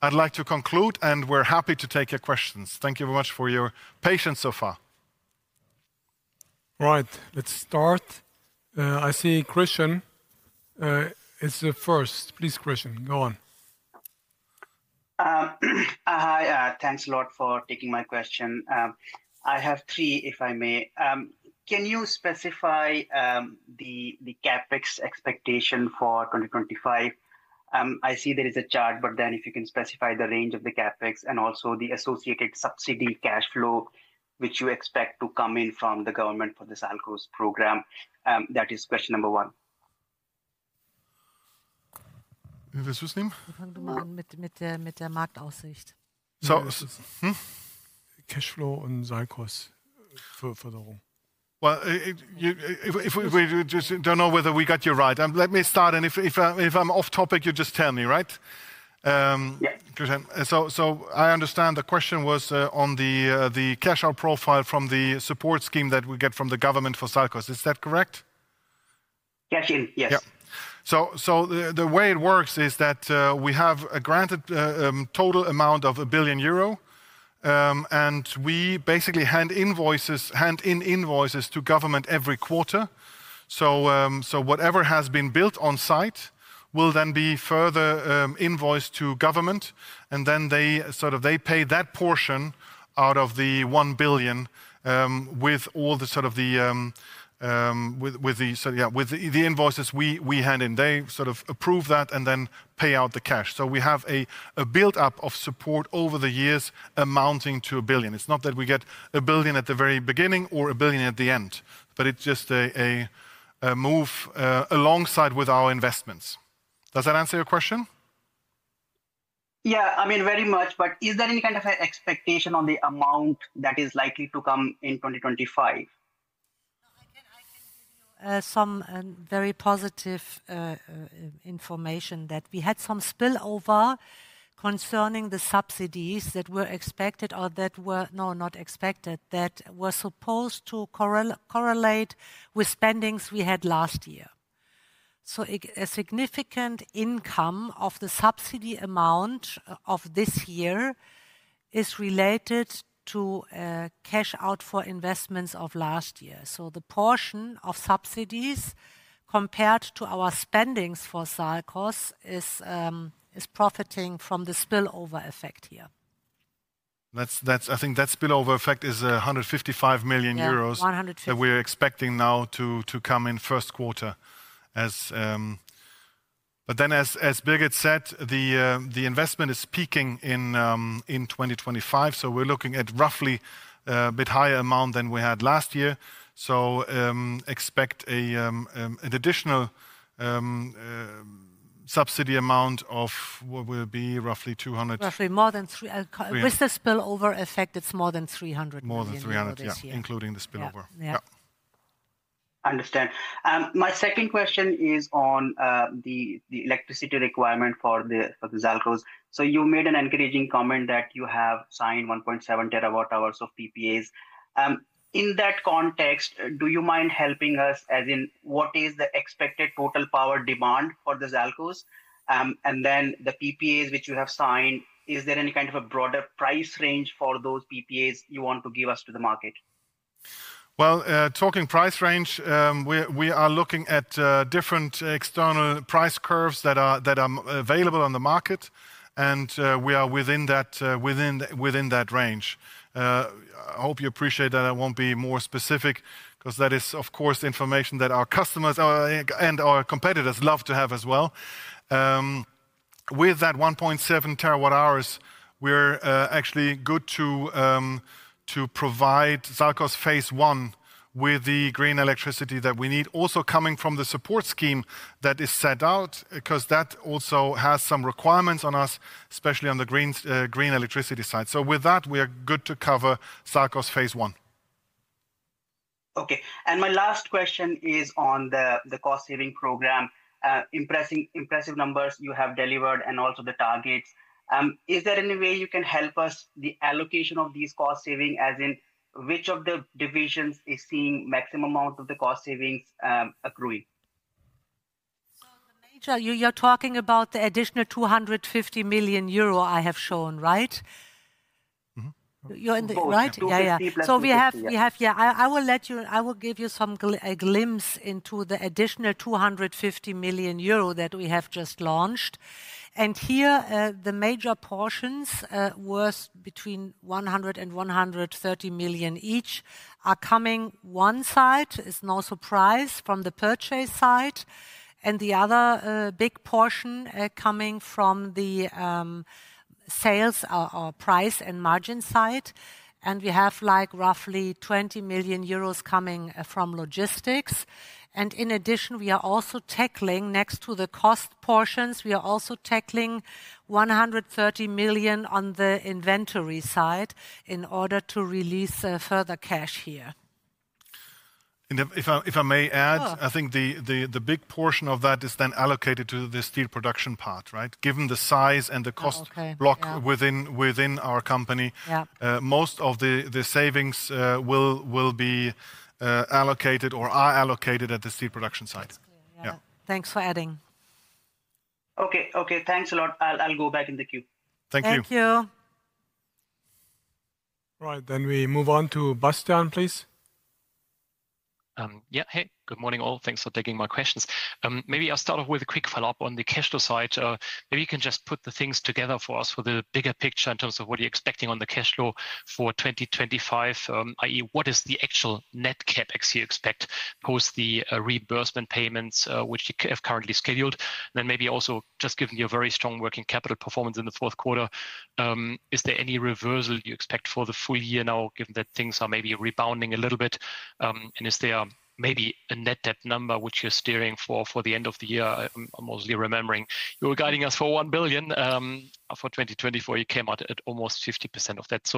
I'd like to conclude, and we're happy to take your questions. Thank you very much for your patience so far. Right, let's start. I see Christian is the first. Please, Christian, go on. Hi, thanks a lot for taking my question. I have three, if I may. Can you specify the CapEx expectation for 2025? I see there is a chart, but then if you can specify the range of the CapEx and also the associated subsidy cash flow, which you expect to come in from the government for the SALCOS program, that is question number one. Wie war das? Mit der Marktaussicht. Cash flow and SALCOS for the room. I don't know whether we got you right. Let me start, and if I'm off topic, you just tell me, right? Yeah. I understand the question was on the cash out profile from the support scheme that we get from the government for SALCOS. Is that correct? Yes, yes. The way it works is that we have a granted total amount of 1 billion euro, and we basically hand invoices to government every quarter. Whatever has been built on site will then be further invoiced to government, and then they pay that portion out of the 1 billion with all the invoices we hand in. They approve that and then pay out the cash. We have a build-up of support over the years amounting to 1 billion. It's not that we get 1 billion at the very beginning or 1 billion at the end, but it just moves alongside with our investments. Does that answer your question? Yeah, I mean, very much, but is there any kind of expectation on the amount that is likely to come in 2025? I can give you some very positive information that we had some spillover concerning the subsidies that were expected or that were not expected that were supposed to correlate with spendings we had last year. A significant income of the subsidy amount of this year is related to cash out for investments of last year. The portion of subsidies compared to our spendings for SALCOS is profiting from the spillover effect here. I think that spillover effect is 155 million euros that we're expecting now to come in first quarter. As Birgit said, the investment is peaking in 2025, we are looking at roughly a bit higher amount than we had last year. Expect an additional subsidy amount of what will be roughly 200. Roughly more than 300. With the spillover effect, it's more than 300 million this year. More than 300, yeah, including the spillover. Yeah. Understand. My second question is on the electricity requirement for the SALCOS. You made an encouraging comment that you have signed 1.7 terawatt hours of PPAs. In that context, do you mind helping us as in what is the expected total power demand for the SALCOS? The PPAs which you have signed, is there any kind of a broader price range for those PPAs you want to give us to the market? Talking price range, we are looking at different external price curves that are available on the market, and we are within that range. I hope you appreciate that. I will not be more specific because that is, of course, information that our customers and our competitors love to have as well. With that 1.7 TWh, we're actually good to provide SALCOS phase I with the green electricity that we need, also coming from the support scheme that is set out because that also has some requirements on us, especially on the green electricity side. With that, we are good to cover SALCOS phase I. Okay. My last question is on the cost-saving program, impressive numbers you have delivered and also the targets. Is there any way you can help us the allocation of these cost-saving as in which of the divisions is seeing maximum amount of the cost-savings accruing? The major, you're talking about the additional 250 million euro I have shown, right? Right? Yeah, yeah. We have, yeah, I will give you some glimpse into the additional 250 million euro that we have just launched. Here, the major portions worth between 100 million and 130 million each are coming one side, it's no surprise, from the purchase side. The other big portion coming from the sales or price and margin side. We have like roughly 20 million euros coming from logistics. In addition, we are also tackling next to the cost portions, we are also tackling 130 million on the inventory side in order to release further cash here. If I may add, I think the big portion of that is then allocated to the steel production part, right? Given the size and the cost block within our company, most of the savings will be allocated or are allocated at the steel production side. Yeah, thanks for adding. Okay, okay, thanks a lot. I'll go back in the queue. Thank you. Thank you. Right, we move on to Bastian, please. Yeah, hey, good morning all. Thanks for taking my questions. Maybe I'll start off with a quick follow-up on the cash flow side. Maybe you can just put the things together for us for the bigger picture in terms of what you're expecting on the cash flow for 2025, i.e., what is the actual net CapEx you expect post the reimbursement payments which you have currently scheduled? Maybe also just given your very strong working capital performance in the fourth quarter, is there any reversal you expect for the full year now given that things are maybe rebounding a little bit? Is there maybe a net debt number which you're steering for the end of the year? I'm mostly remembering you were guiding us for 1 billion for 2024, you came out at almost 50% of that.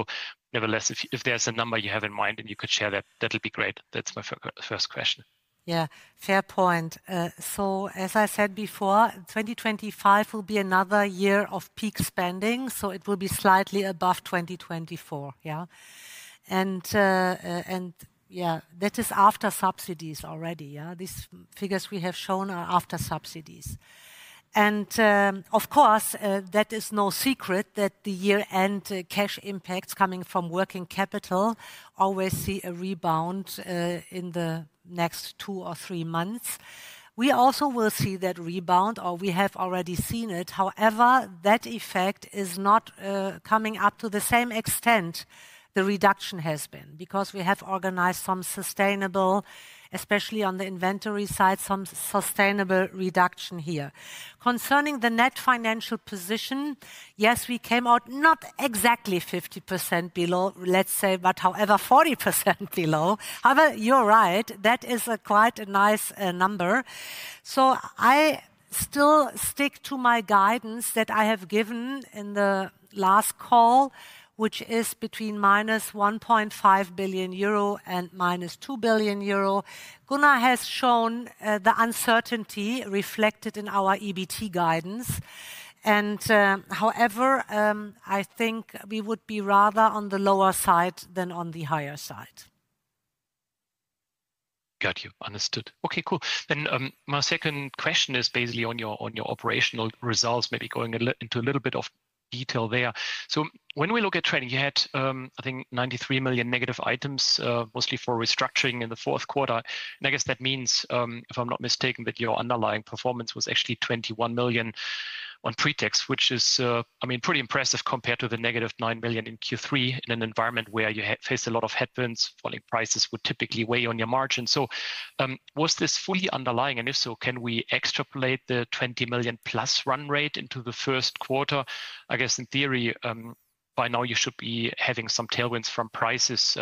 Nevertheless, if there's a number you have in mind and you could share that, that would be great. That's my first question. Yeah, fair point. As I said before, 2025 will be another year of peak spending, so it will be slightly above 2024, yeah? That is after subsidies already, yeah? These figures we have shown are after subsidies. Of course, that is no secret that the year-end cash impacts coming from working capital always see a rebound in the next two or three months. We also will see that rebound, or we have already seen it. However, that effect is not coming up to the same extent the reduction has been because we have organized some sustainable, especially on the inventory side, some sustainable reduction here. Concerning the net financial position, yes, we came out not exactly 50% below, let's say, but however 40% below. However, you're right, that is quite a nice number. I still stick to my guidance that I have given in the last call, which is between -1.5 billion euro and -2 billion euro. Gunnar has shown the uncertainty reflected in our EBT guidance. However, I think we would be rather on the lower side than on the higher side. Got you, understood. Okay, cool. My second question is basically on your operational results, maybe going into a little bit of detail there. When we look at trading, you had, I think, 93 million negative items, mostly for restructuring in the fourth quarter. I guess that means, if I'm not mistaken, that your underlying performance was actually 21 million on pre-tax, which is, I mean, pretty impressive compared to the negative 9 million in Q3 in an environment where you face a lot of headwinds. Falling prices would typically weigh on your margin. Was this fully underlying? If so, can we extrapolate the 20 million plus run rate into the first quarter? I guess in theory, by now, you should be having some tailwinds from prices.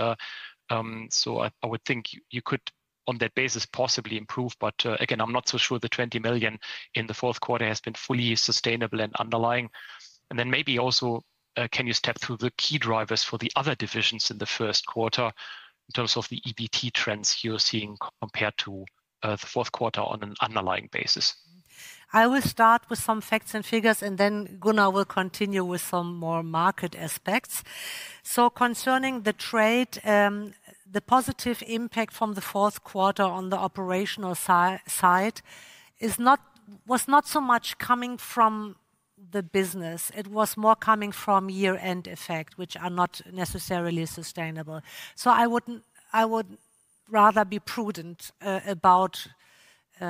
I would think you could, on that basis, possibly improve. Again, I'm not so sure the 20 million in the fourth quarter has been fully sustainable and underlying. Maybe also, can you step through the key drivers for the other divisions in the first quarter in terms of the EBT trends you're seeing compared to the fourth quarter on an underlying basis? I will start with some facts and figures, and then Gunnar will continue with some more market aspects. Concerning the trade, the positive impact from the fourth quarter on the operational side was not so much coming from the business. It was more coming from year-end effects, which are not necessarily sustainable. I would rather be prudent about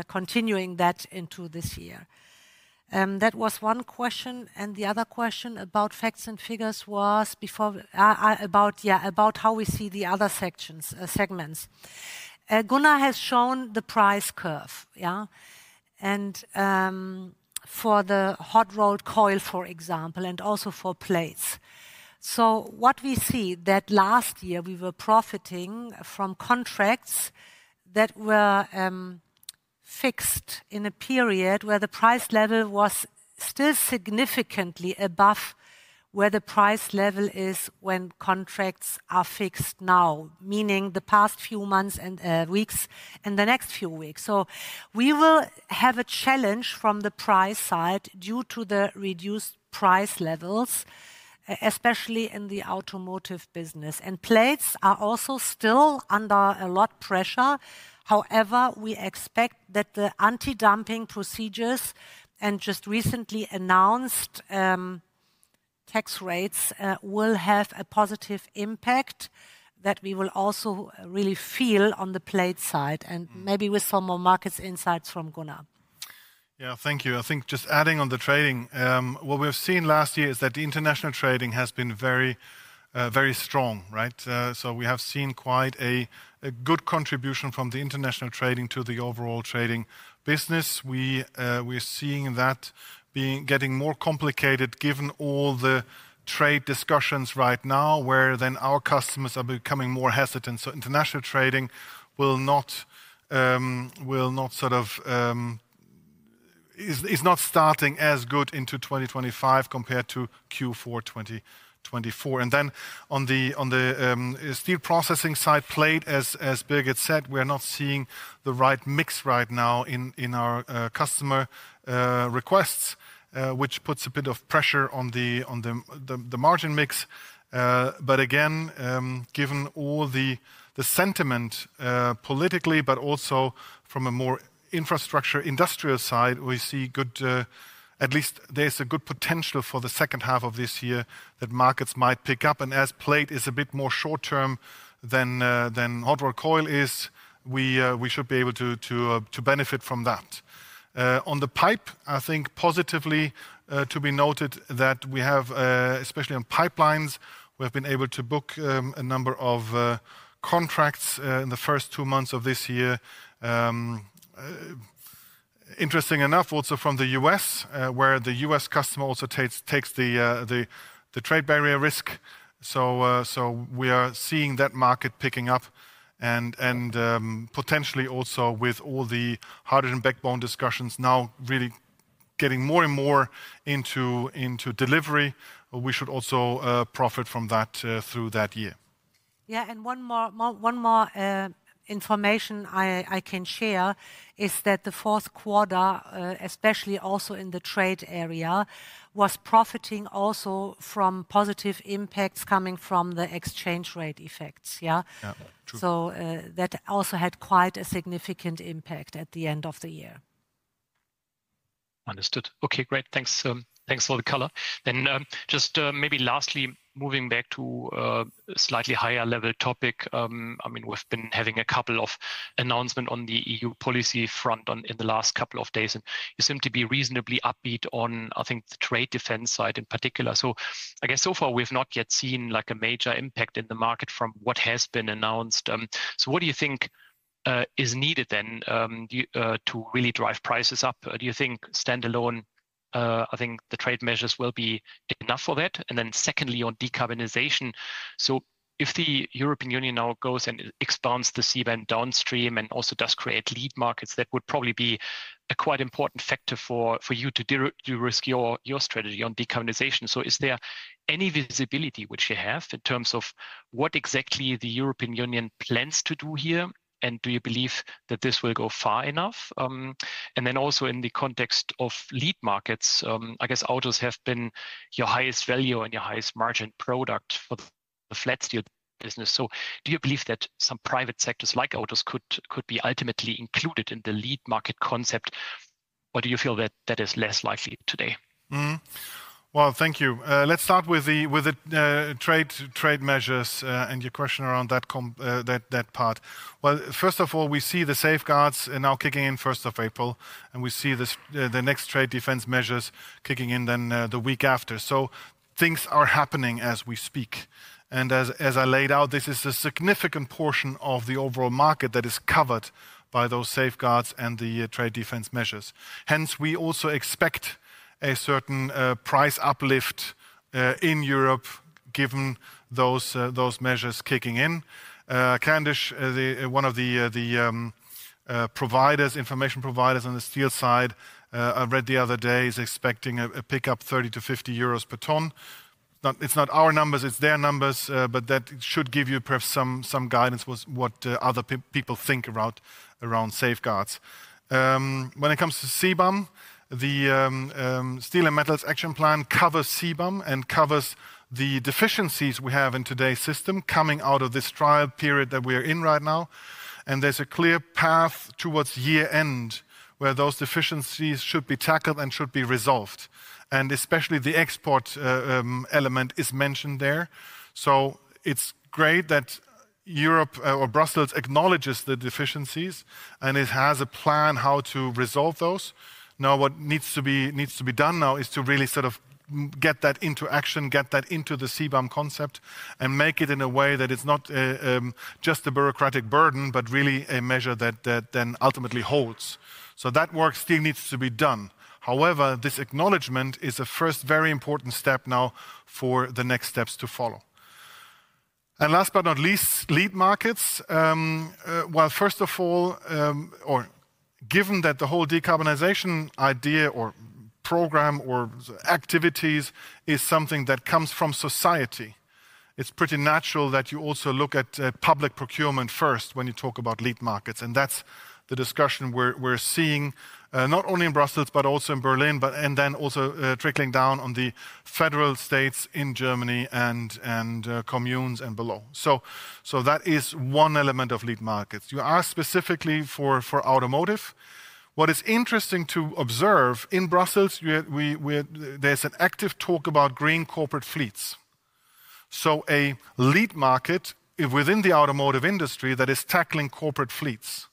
continuing that into this year. That was one question. The other question about facts and figures was before, about how we see the other segments. Gunnar has shown the price curve, for the hot-rolled coil, for example, and also for plates. What we see is that last year, we were profiting from contracts that were fixed in a period where the price level was still significantly above where the price level is when contracts are fixed now, meaning the past few months and weeks and the next few weeks. We will have a challenge from the price side due to the reduced price levels, especially in the automotive business. Plates are also still under a lot of pressure. However, we expect that the anti-dumping procedures and just recently announced tax rates will have a positive impact that we will also really feel on the plate side. Maybe with some more market insights from Gunnar. Yeah, thank you. I think just adding on the trading, what we've seen last year is that the international trading has been very strong, right? We have seen quite a good contribution from the international trading to the overall trading business. We are seeing that being getting more complicated given all the trade discussions right now where then our customers are becoming more hesitant. International trading will not sort of, is not starting as good into 2025 compared to Q4 2024. On the steel processing side, plate, as Birgit said, we are not seeing the right mix right now in our customer requests, which puts a bit of pressure on the margin mix. Again, given all the sentiment politically, but also from a more infrastructure industrial side, we see good, at least there is a good potential for the second half of this year that markets might pick up. As plate is a bit more short-term than hot-rolled coil is, we should be able to benefit from that. On the pipe, I think positively to be noted that we have, especially on pipelines, we've been able to book a number of contracts in the first two months of this year. Interesting enough, also from the US, where the US customer also takes the trade barrier risk. We are seeing that market picking up and potentially also with all the hydrogen backbone discussions now really getting more and more into delivery, we should also profit from that through that year. Yeah, and one more information I can share is that the fourth quarter, especially also in the trade area, was profiting also from positive impacts coming from the exchange rate effects, yeah? That also had quite a significant impact at the end of the year. Understood. Okay, great. Thanks for the color. Just maybe lastly, moving back to a slightly higher level topic, I mean, we've been having a couple of announcements on the EU policy front in the last couple of days. You seem to be reasonably upbeat on, I think, the trade defense side in particular. I guess so far we've not yet seen like a major impact in the market from what has been announced. What do you think is needed then to really drive prices up? Do you think standalone, I think the trade measures will be enough for that? Secondly, on decarbonization, if the European Union now goes and expounds the CBAM downstream and also does create lead markets, that would probably be a quite important factor for you to risk your strategy on decarbonization. Is there any visibility which you have in terms of what exactly the European Union plans to do here? Do you believe that this will go far enough? Also, in the context of lead markets, I guess autos have been your highest value and your highest margin product for the flat steel business. Do you believe that some private sectors like autos could be ultimately included in the lead market concept? Or do you feel that that is less likely today? Thank you. Let's start with the trade measures and your question around that part. First of all, we see the safeguards now kicking in 1st of April, and we see the next trade defense measures kicking in then the week after. Things are happening as we speak. As I laid out, this is a significant portion of the overall market that is covered by those safeguards and the trade defense measures. Hence, we also expect a certain price uplift in Europe given those measures kicking in. Kandish, one of the information providers on the steel side, I read the other day is expecting a pickup of 30-50 euros per ton. It's not our numbers, it's their numbers, but that should give you perhaps some guidance with what other people think around safeguards. When it comes to CBAM, the Steel and Metals Action Plan covers CBAM and covers the deficiencies we have in today's system coming out of this trial period that we are in right now. There is a clear path towards year-end where those deficiencies should be tackled and should be resolved. Especially the export element is mentioned there. It is great that Europe or Brussels acknowledges the deficiencies and it has a plan how to resolve those. What needs to be done now is to really sort of get that into action, get that into the CBAM concept and make it in a way that it is not just a bureaucratic burden, but really a measure that then ultimately holds. That work still needs to be done. However, this acknowledgement is a first very important step now for the next steps to follow. Last but not least, lead markets. First of all, or given that the whole decarbonization idea or program or activities is something that comes from society, it is pretty natural that you also look at public procurement first when you talk about lead markets. That's the discussion we're seeing not only in Brussels, but also in Berlin, and then also trickling down on the federal states in Germany and communes and below. That is one element of lead markets. You asked specifically for automotive. What is interesting to observe in Brussels, there's an active talk about green corporate fleets. A lead market within the automotive industry that is tackling corporate fleets.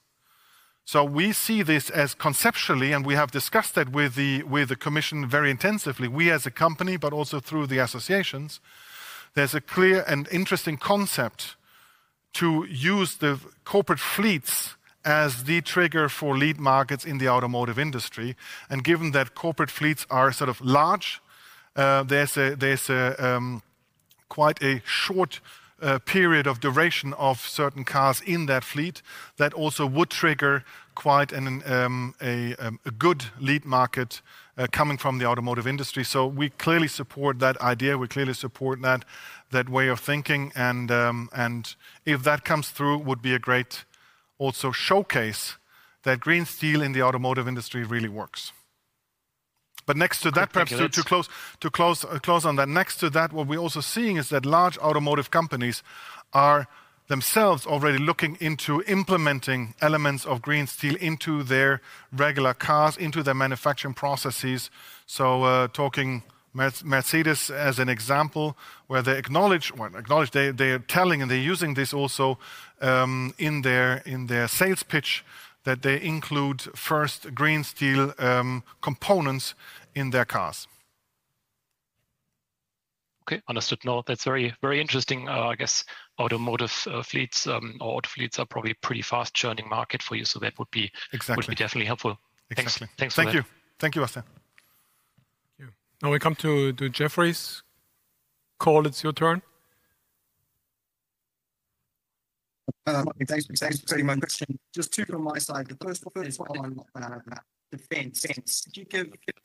We see this as conceptually, and we have discussed that with the commission very intensively, we as a company, but also through the associations, there's a clear and interesting concept to use the corporate fleets as the trigger for lead markets in the automotive industry. Given that corporate fleets are sort of large, there is quite a short period of duration of certain cars in that fleet that also would trigger quite a good lead market coming from the automotive industry. We clearly support that idea. We clearly support that way of thinking. If that comes through, it would be a great showcase that green steel in the automotive industry really works. Next to that, perhaps to close on that, next to that, what we are also seeing is that large automotive companies are themselves already looking into implementing elements of green steel into their regular cars, into their manufacturing processes. Talking Mercedes as an example, where they acknowledge, they are telling and they are using this also in their sales pitch that they include first green steel components in their cars. Okay, understood. No, that is very interesting. I guess automotive fleets or auto fleets are probably a pretty fast churning market for you. That would be definitely helpful. Thanks. Thank you. Thank you, Oscar. Now we come to Jefferies' call. It's your turn. Thanks for taking my question. Just two from my side. The first one on defense.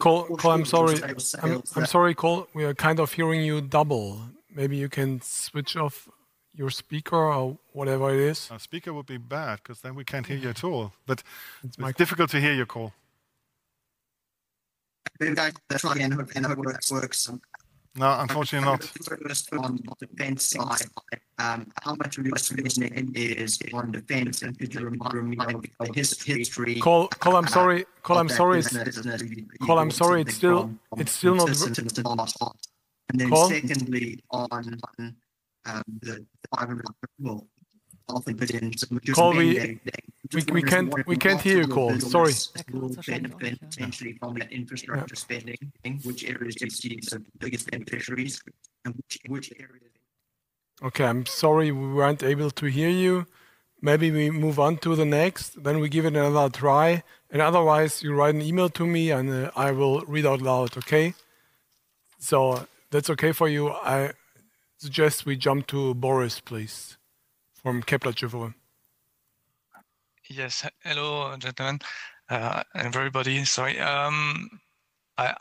Cool, I'm sorry. I'm sorry, Cole. We are kind of hearing you double. Maybe you can switch off your speaker or whatever it is. My speaker would be bad because then we can't hear you at all. It's difficult to hear you, Cole. No, unfortunately not. On the defense side, how much of your solution is on defense and history. Cole, I'm sorry. Cole, I'm sorry. Cole, I'm sorry. It's still not. Secondly, on the 500. Cole, we can't hear you, Cole. Sorry. Infrastructure spending, which areas do you see as the biggest beneficiaries? Okay, I'm sorry we weren't able to hear you. Maybe we move on to the next. We give it another try. Otherwise, you write an email to me and I will read out loud, okay? If that's okay for you. I suggest we jump to Boris, please, from Kepler Cheuvreux. Yes, hello, gentlemen. Everybody, sorry. I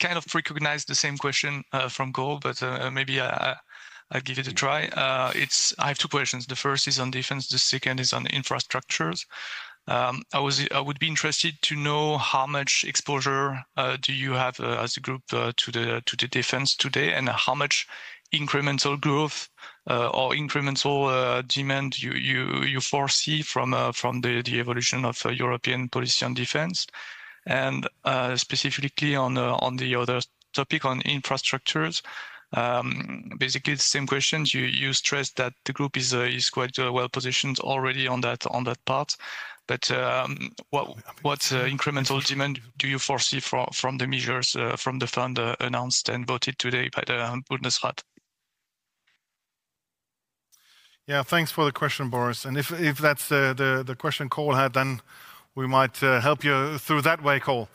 kind of recognize the same question from Cole, but maybe I'll give it a try. I have two questions. The first is on defense. The second is on infrastructures. I would be interested to know how much exposure do you have as a group to the defense today and how much incremental growth or incremental demand you foresee from the evolution of European policy on defense? Specifically on the other topic, on infrastructures, basically the same questions. You stressed that the group is quite well positioned already on that part. What incremental demand do you foresee from the measures from the fund announced and voted today by the Bundesrat? Yeah, thanks for the question, Boris. If that's the question Cole had, then we might help you through that way, Cole.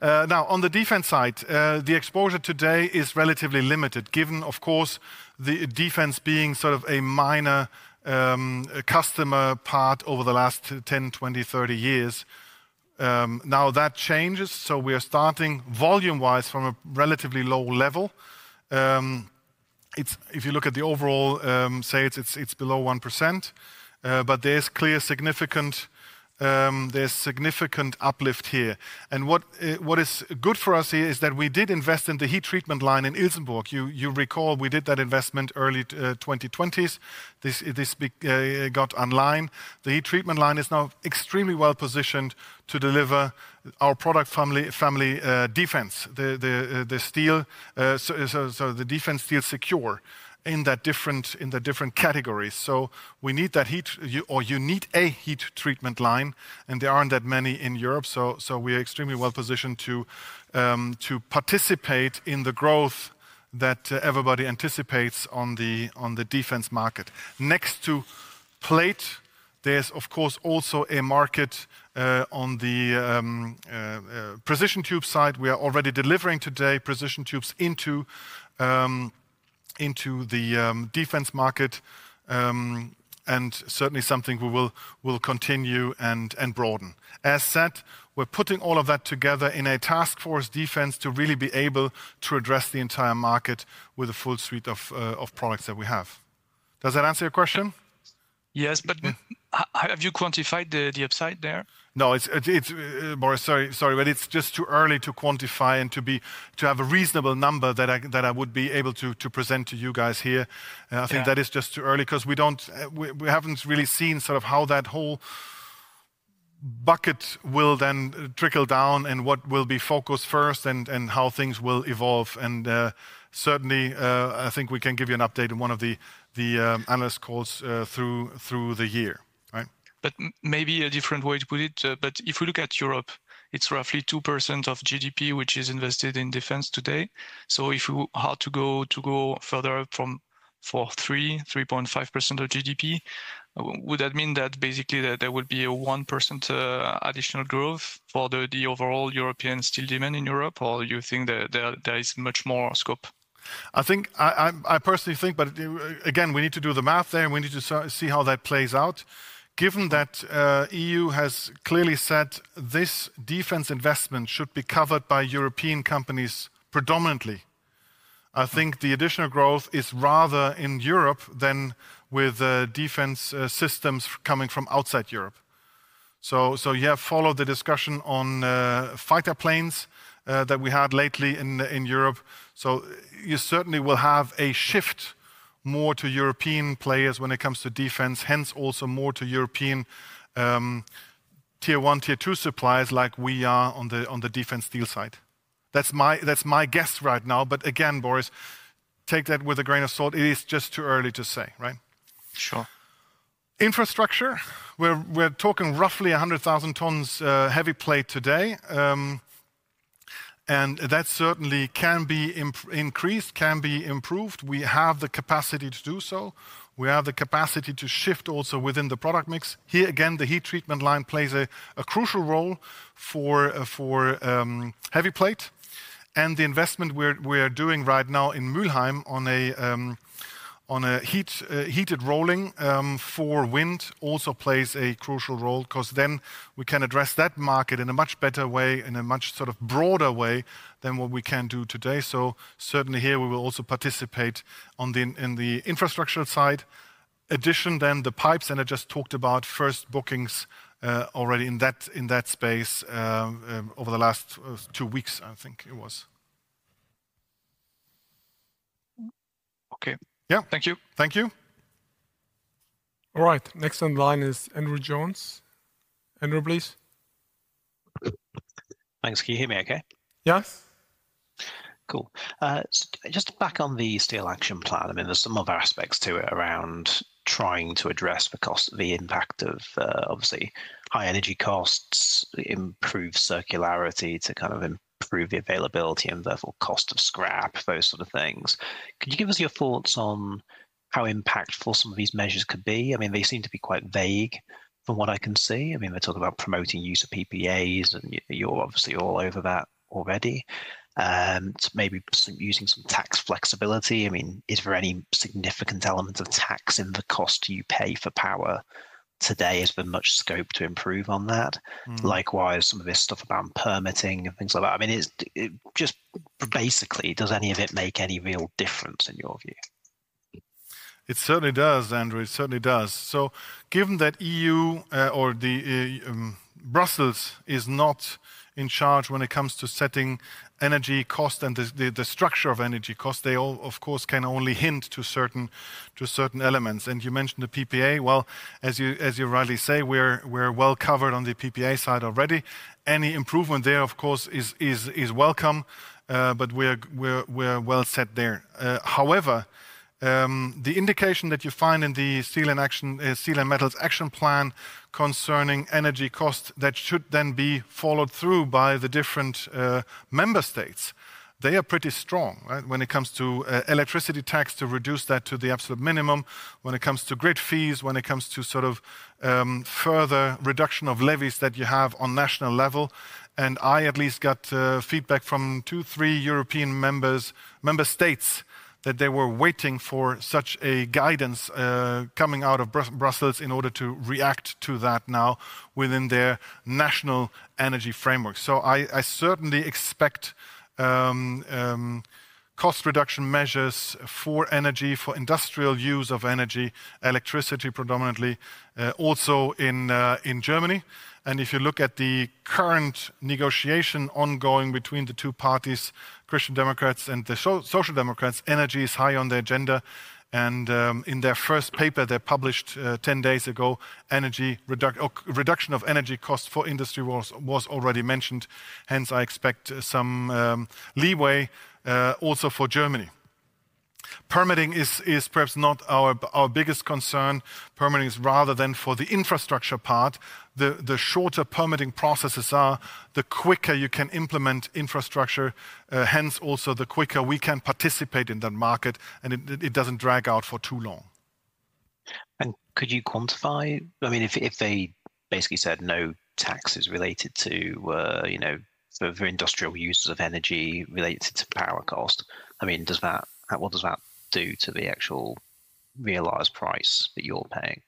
Now, on the defense side, the exposure today is relatively limited, given, of course, the defense being sort of a minor customer part over the last 10, 20, 30 years. That changes. We are starting volume-wise from a relatively low level. If you look at the overall sales, it's below 1%. There's clear significant uplift here. What is good for us here is that we did invest in the heat treatment line in Ilsenburg. You recall we did that investment early 2020s. This got online. The heat treatment line is now extremely well positioned to deliver our product family, defense, the steel, so the defense steel secure in the different categories. We need that heat or you need a heat treatment line. There aren't that many in Europe. We are extremely well positioned to participate in the growth that everybody anticipates on the defense market. Next to plate, there's of course also a market on the precision tube side. We are already delivering today precision tubes into the defense market and certainly something we will continue and broaden. As said, we're putting all of that together in a task force defense to really be able to address the entire market with a full suite of products that we have. Does that answer your question? Yes, but have you quantified the upside there? No, Boris, sorry, but it's just too early to quantify and to have a reasonable number that I would be able to present to you guys here. I think that is just too early because we haven't really seen sort of how that whole bucket will then trickle down and what will be focused first and how things will evolve. Certainly, I think we can give you an update in one of the analyst calls through the year. Maybe a different way to put it. If we look at Europe, it's roughly 2% of GDP which is invested in defense today. If we had to go further up from 3-3.5% of GDP, would that mean that basically there would be a 1% additional growth for the overall European steel demand in Europe or you think there is much more scope? I personally think, but again, we need to do the math there and we need to see how that plays out. Given that the EU has clearly said this defense investment should be covered by European companies predominantly, I think the additional growth is rather in Europe than with defense systems coming from outside Europe. Yeah, follow the discussion on fighter planes that we had lately in Europe. You certainly will have a shift more to European players when it comes to defense, hence also more to European tier one, tier two supplies like we are on the defense steel side. That's my guess right now. Again, Boris, take that with a grain of salt. It is just too early to say, right? Sure. Infrastructure, we're talking roughly 100,000 tons heavy plate today. That certainly can be increased, can be improved. We have the capacity to do so. We have the capacity to shift also within the product mix. Here again, the heat treatment line plays a crucial role for heavy plate. The investment we're doing right now in Mülheim on a heated rolling for wind also plays a crucial role because then we can address that market in a much better way, in a much sort of broader way than what we can do today. Certainly here we will also participate on the infrastructure side. Addition then, the pipes and I just talked about first bookings already in that space over the last two weeks, I think it was. Okay. Yeah, thank you. Thank you. All right. Next on the line is Andrew Jones. Andrew, please. Thanks. Can you hear me okay? Yes. Cool. Just back on the steel action plan, I mean, there's some other aspects to it around trying to address the impact of obviously high energy costs, improve circularity to kind of improve the availability and therefore cost of scrap, those sort of things. Could you give us your thoughts on how impactful some of these measures could be? I mean, they seem to be quite vague from what I can see. I mean, we're talking about promoting use of PPAs and you're obviously all over that already. Maybe using some tax flexibility. I mean, is there any significant element of tax in the cost you pay for power today? Has there been much scope to improve on that? Likewise, some of this stuff around permitting and things like that. I mean, just basically, does any of it make any real difference in your view? It certainly does, Andrew. It certainly does. Given that the EU or Brussels is not in charge when it comes to setting energy cost and the structure of energy cost, they all, of course, can only hint to certain elements. You mentioned the PPA. As you rightly say, we're well covered on the PPA side already. Any improvement there, of course, is welcome, but we're well set there. However, the indication that you find in the Steel and Metals Action Plan concerning energy cost that should then be followed through by the different member states, they are pretty strong when it comes to electricity tax to reduce that to the absolute minimum, when it comes to grid fees, when it comes to sort of further reduction of levies that you have on national level. I at least got feedback from two, three European member states that they were waiting for such a guidance coming out of Brussels in order to react to that now within their national energy framework. I certainly expect cost reduction measures for industrial use of energy, electricity predominantly, also in Germany. If you look at the current negotiation ongoing between the two parties, Christian Democrats and the Social Democrats, energy is high on their agenda. In their first paper they published 10 days ago, reduction of energy cost for industry was already mentioned. Hence, I expect some leeway also for Germany. Permitting is perhaps not our biggest concern. Permitting is rather for the infrastructure part. The shorter permitting processes are, the quicker you can implement infrastructure. Hence, also the quicker we can participate in that market and it does not drag out for too long. Could you quantify? I mean, if they basically said no taxes related to industrial use of energy related to power cost, I mean, what does that do to the actual realized price that you're paying?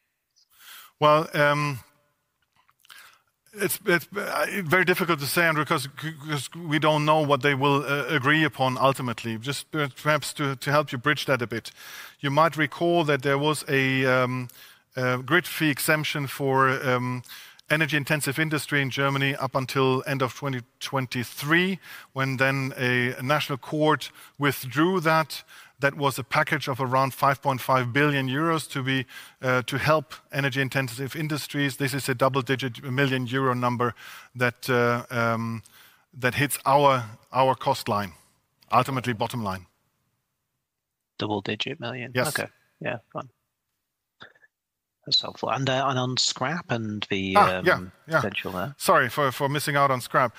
It is very difficult to say, Andrew, because we do not know what they will agree upon ultimately. Just perhaps to help you bridge that a bit, you might recall that there was a grid fee exemption for energy-intensive industry in Germany up until end of 2023, when then a national court withdrew that. That was a package of around 5.5 billion euros to help energy-intensive industries. This is a double-digit million euro number that hits our cost line, ultimately bottom line. Double-digit million. Okay. That is helpful. And on scrap and the potential there. Sorry for missing out on scrap.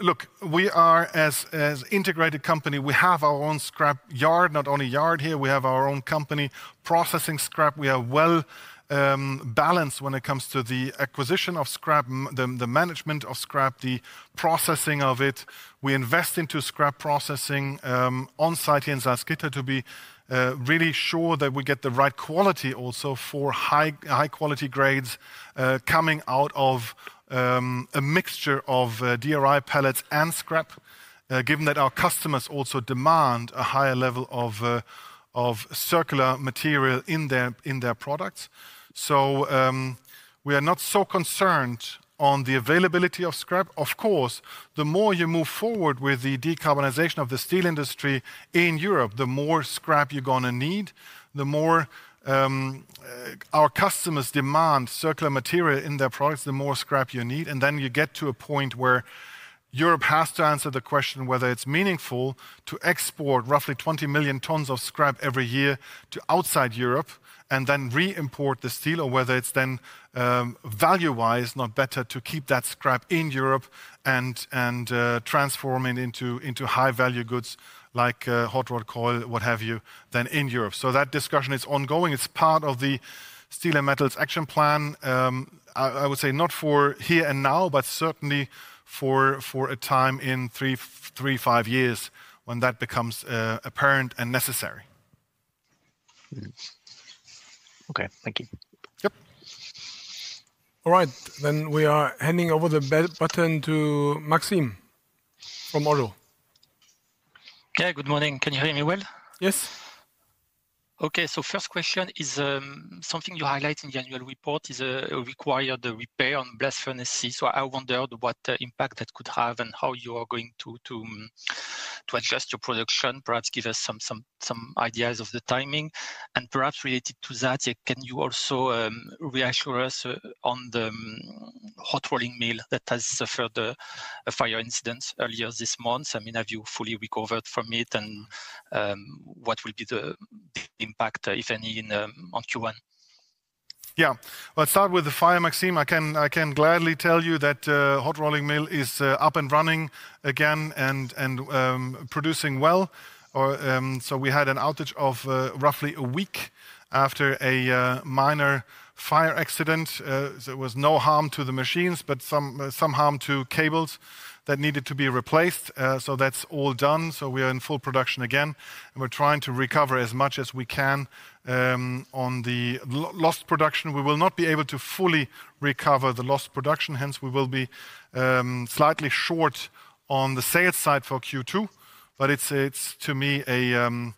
Look, we are as an integrated company. We have our own scrap yard, not only yard here. We have our own company processing scrap. We are well balanced when it comes to the acquisition of scrap, the management of scrap, the processing of it. We invest into scrap processing on site here in Salzgitter to be really sure that we get the right quality also for high-quality grades coming out of a mixture of DRI pellets and scrap, given that our customers also demand a higher level of circular material in their products. We are not so concerned on the availability of scrap. Of course, the more you move forward with the decarbonization of the steel industry in Europe, the more scrap you're going to need. The more our customers demand circular material in their products, the more scrap you need. You get to a point where Europe has to answer the question whether it's meaningful to export roughly 20 million tons of scrap every year to outside Europe and then re-import the steel, or whether it's then value-wise not better to keep that scrap in Europe and transform it into high-value goods like hot-rolled coil, what have you, than in Europe. That discussion is ongoing. It's part of the Steel and Metals Action Plan. I would say not for here and now, but certainly for a time in three, five years when that becomes apparent and necessary. Okay. Thank you. Yep. All right. We are handing over the button to Maxime from ODDO BHF. Yeah. Good morning. Can you hear me well? Yes. Okay. First question is something you highlight in the annual report is required repair on blast furnace Cs. I wondered what impact that could have and how you are going to adjust your production, perhaps give us some ideas of the timing. Perhaps related to that, can you also reassure us on the hot rolling mill that has suffered a fire incident earlier this month? I mean, have you fully recovered from it and what will be the impact, if any, on Q1? Yeah. Let's start with the fire, Maxim. I can gladly tell you that hot rolling mill is up and running again and producing well. We had an outage of roughly a week after a minor fire accident. There was no harm to the machines, but some harm to cables that needed to be replaced. That's all done. We are in full production again. We're trying to recover as much as we can on the lost production. We will not be able to fully recover the lost production. Hence, we will be slightly short on the sales side for Q2. To me, it is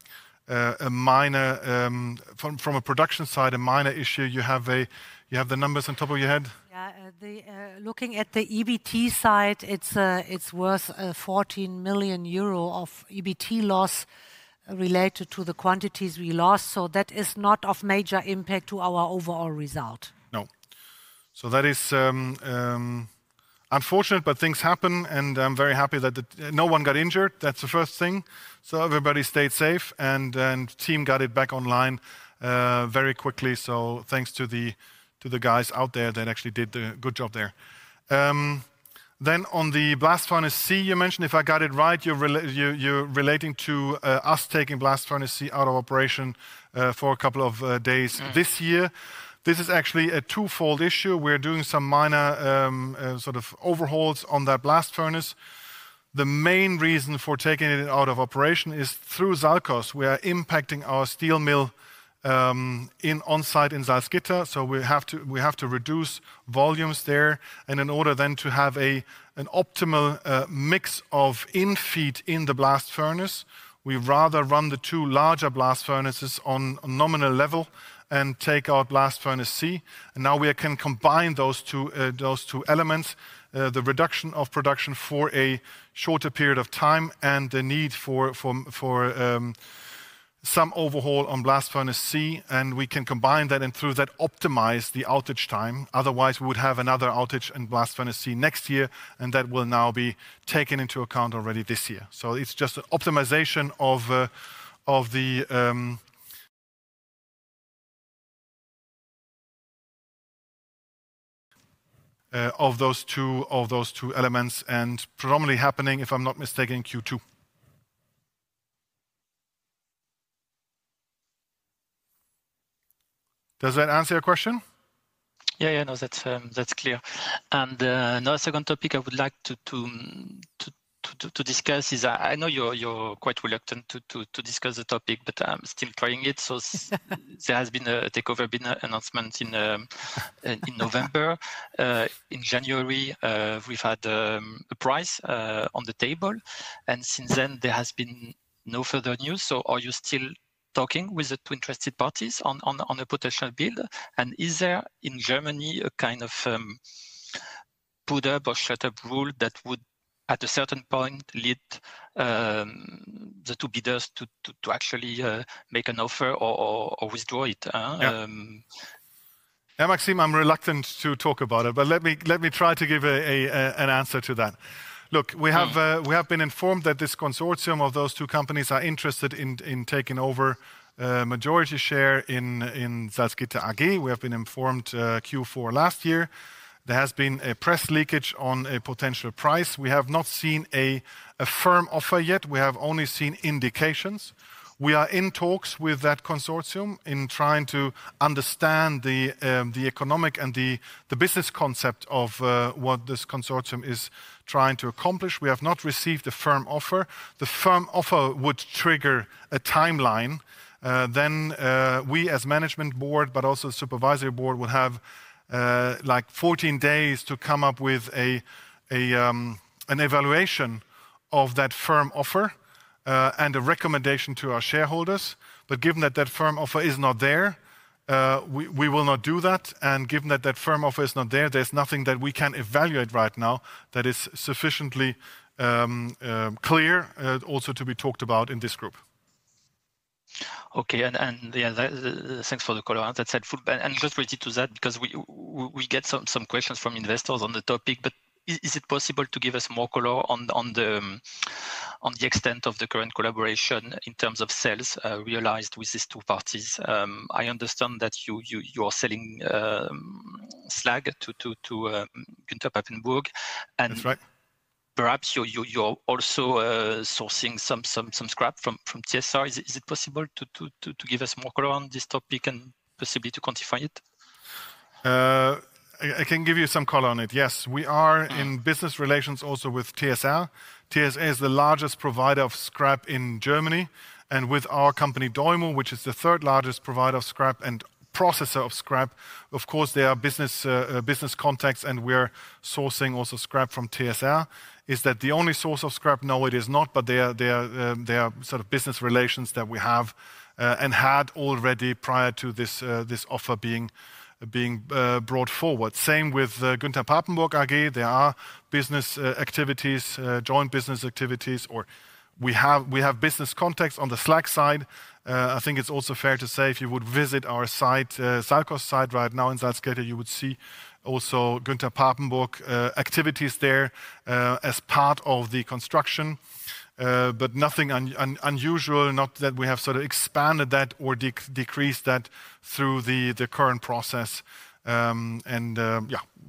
a minor, from a production side, a minor issue. You have the numbers on top of your head. Yeah. Looking at the EBT side, it is worth 14 million euro of EBT loss related to the quantities we lost. That is not of major impact to our overall result. No. That is unfortunate, but things happen. I am very happy that no one got injured. That is the first thing. Everybody stayed safe and the team got it back online very quickly. Thanks to the guys out there that actually did a good job there. On the blast furnace C, you mentioned, if I got it right, you're relating to us taking blast furnace C out of operation for a couple of days this year. This is actually a twofold issue. We're doing some minor sort of overhauls on that blast furnace. The main reason for taking it out of operation is through SALCOS. We are impacting our steel mill on site in Salzgitter. We have to reduce volumes there. In order to have an optimal mix of infeed in the blast furnace, we rather run the two larger blast furnaces on nominal level and take out blast furnace C. We can combine those two elements, the reduction of production for a shorter period of time and the need for some overhaul on blast furnace C. We can combine that and through that optimize the outage time. Otherwise, we would have another outage in blast furnace C next year. That will now be taken into account already this year. It is just optimization of those two elements and predominantly happening, if I'm not mistaken, Q2. Does that answer your question? Yeah, yeah. No, that's clear. Now a second topic I would like to discuss is I know you're quite reluctant to discuss the topic, but I'm still trying it. There has been a takeover announcement in November. In January, we've had a price on the table. Since then, there has been no further news. Are you still talking with the two interested parties on a potential bid? Is there in Germany a kind of put-up or shut-up rule that would, at a certain point, lead the two bidders to actually make an offer or withdraw it? Yeah, Maxim, I'm reluctant to talk about it, but let me try to give an answer to that. Look, we have been informed that this consortium of those two companies are interested in taking over majority share in Salzgitter AG. We have been informed Q4 last year. There has been a press leakage on a potential price. We have not seen a firm offer yet. We have only seen indications. We are in talks with that consortium in trying to understand the economic and the business concept of what this consortium is trying to accomplish. We have not received a firm offer. The firm offer would trigger a timeline. Then we, as management board, but also supervisory board, would have like 14 days to come up with an evaluation of that firm offer and a recommendation to our shareholders. Given that that firm offer is not there, we will not do that. Given that that firm offer is not there, there is nothing that we can evaluate right now that is sufficiently clear also to be talked about in this group. Okay. Thanks for the color. That is helpful. Just related to that, because we get some questions from investors on the topic, is it possible to give us more color on the extent of the current collaboration in terms of sales realized with these two parties? I understand that you are selling slag to Günther Papenburg. Perhaps you are also sourcing some scrap from TSR. Is it possible to give us more color on this topic and possibly to quantify it? I can give you some color on it. Yes. We are in business relations also with TSR. TSR is the largest provider of scrap in Germany. With our company Deumel, which is the third largest provider of scrap and processor of scrap, of course, there are business contacts and we're sourcing also scrap from TSR. Is that the only source of scrap? No, it is not, but there are sort of business relations that we have and had already prior to this offer being brought forward. Same with Günther Papenburg AG. There are business activities, joint business activities, or we have business contacts on the slag side. I think it's also fair to say if you would visit our site, SALCOS site right now in Salzgitter, you would see also Günther Papenburg activities there as part of the construction. Nothing unusual, not that we have sort of expanded that or decreased that through the current process. Yeah,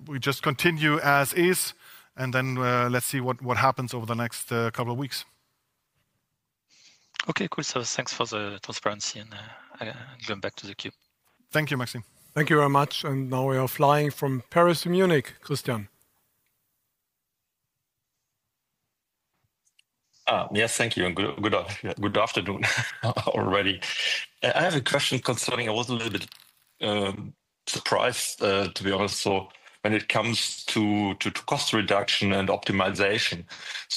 we just continue as is. Let's see what happens over the next couple of weeks. Okay. Cool. Thanks for the transparency and going back to the queue. Thank you, Maxime. Thank you very much. Now we are flying from Paris to Munich, Christian. Yes, thank you. Good afternoon already. I have a question concerning I was a little bit surprised, to be honest, when it comes to cost reduction and optimization.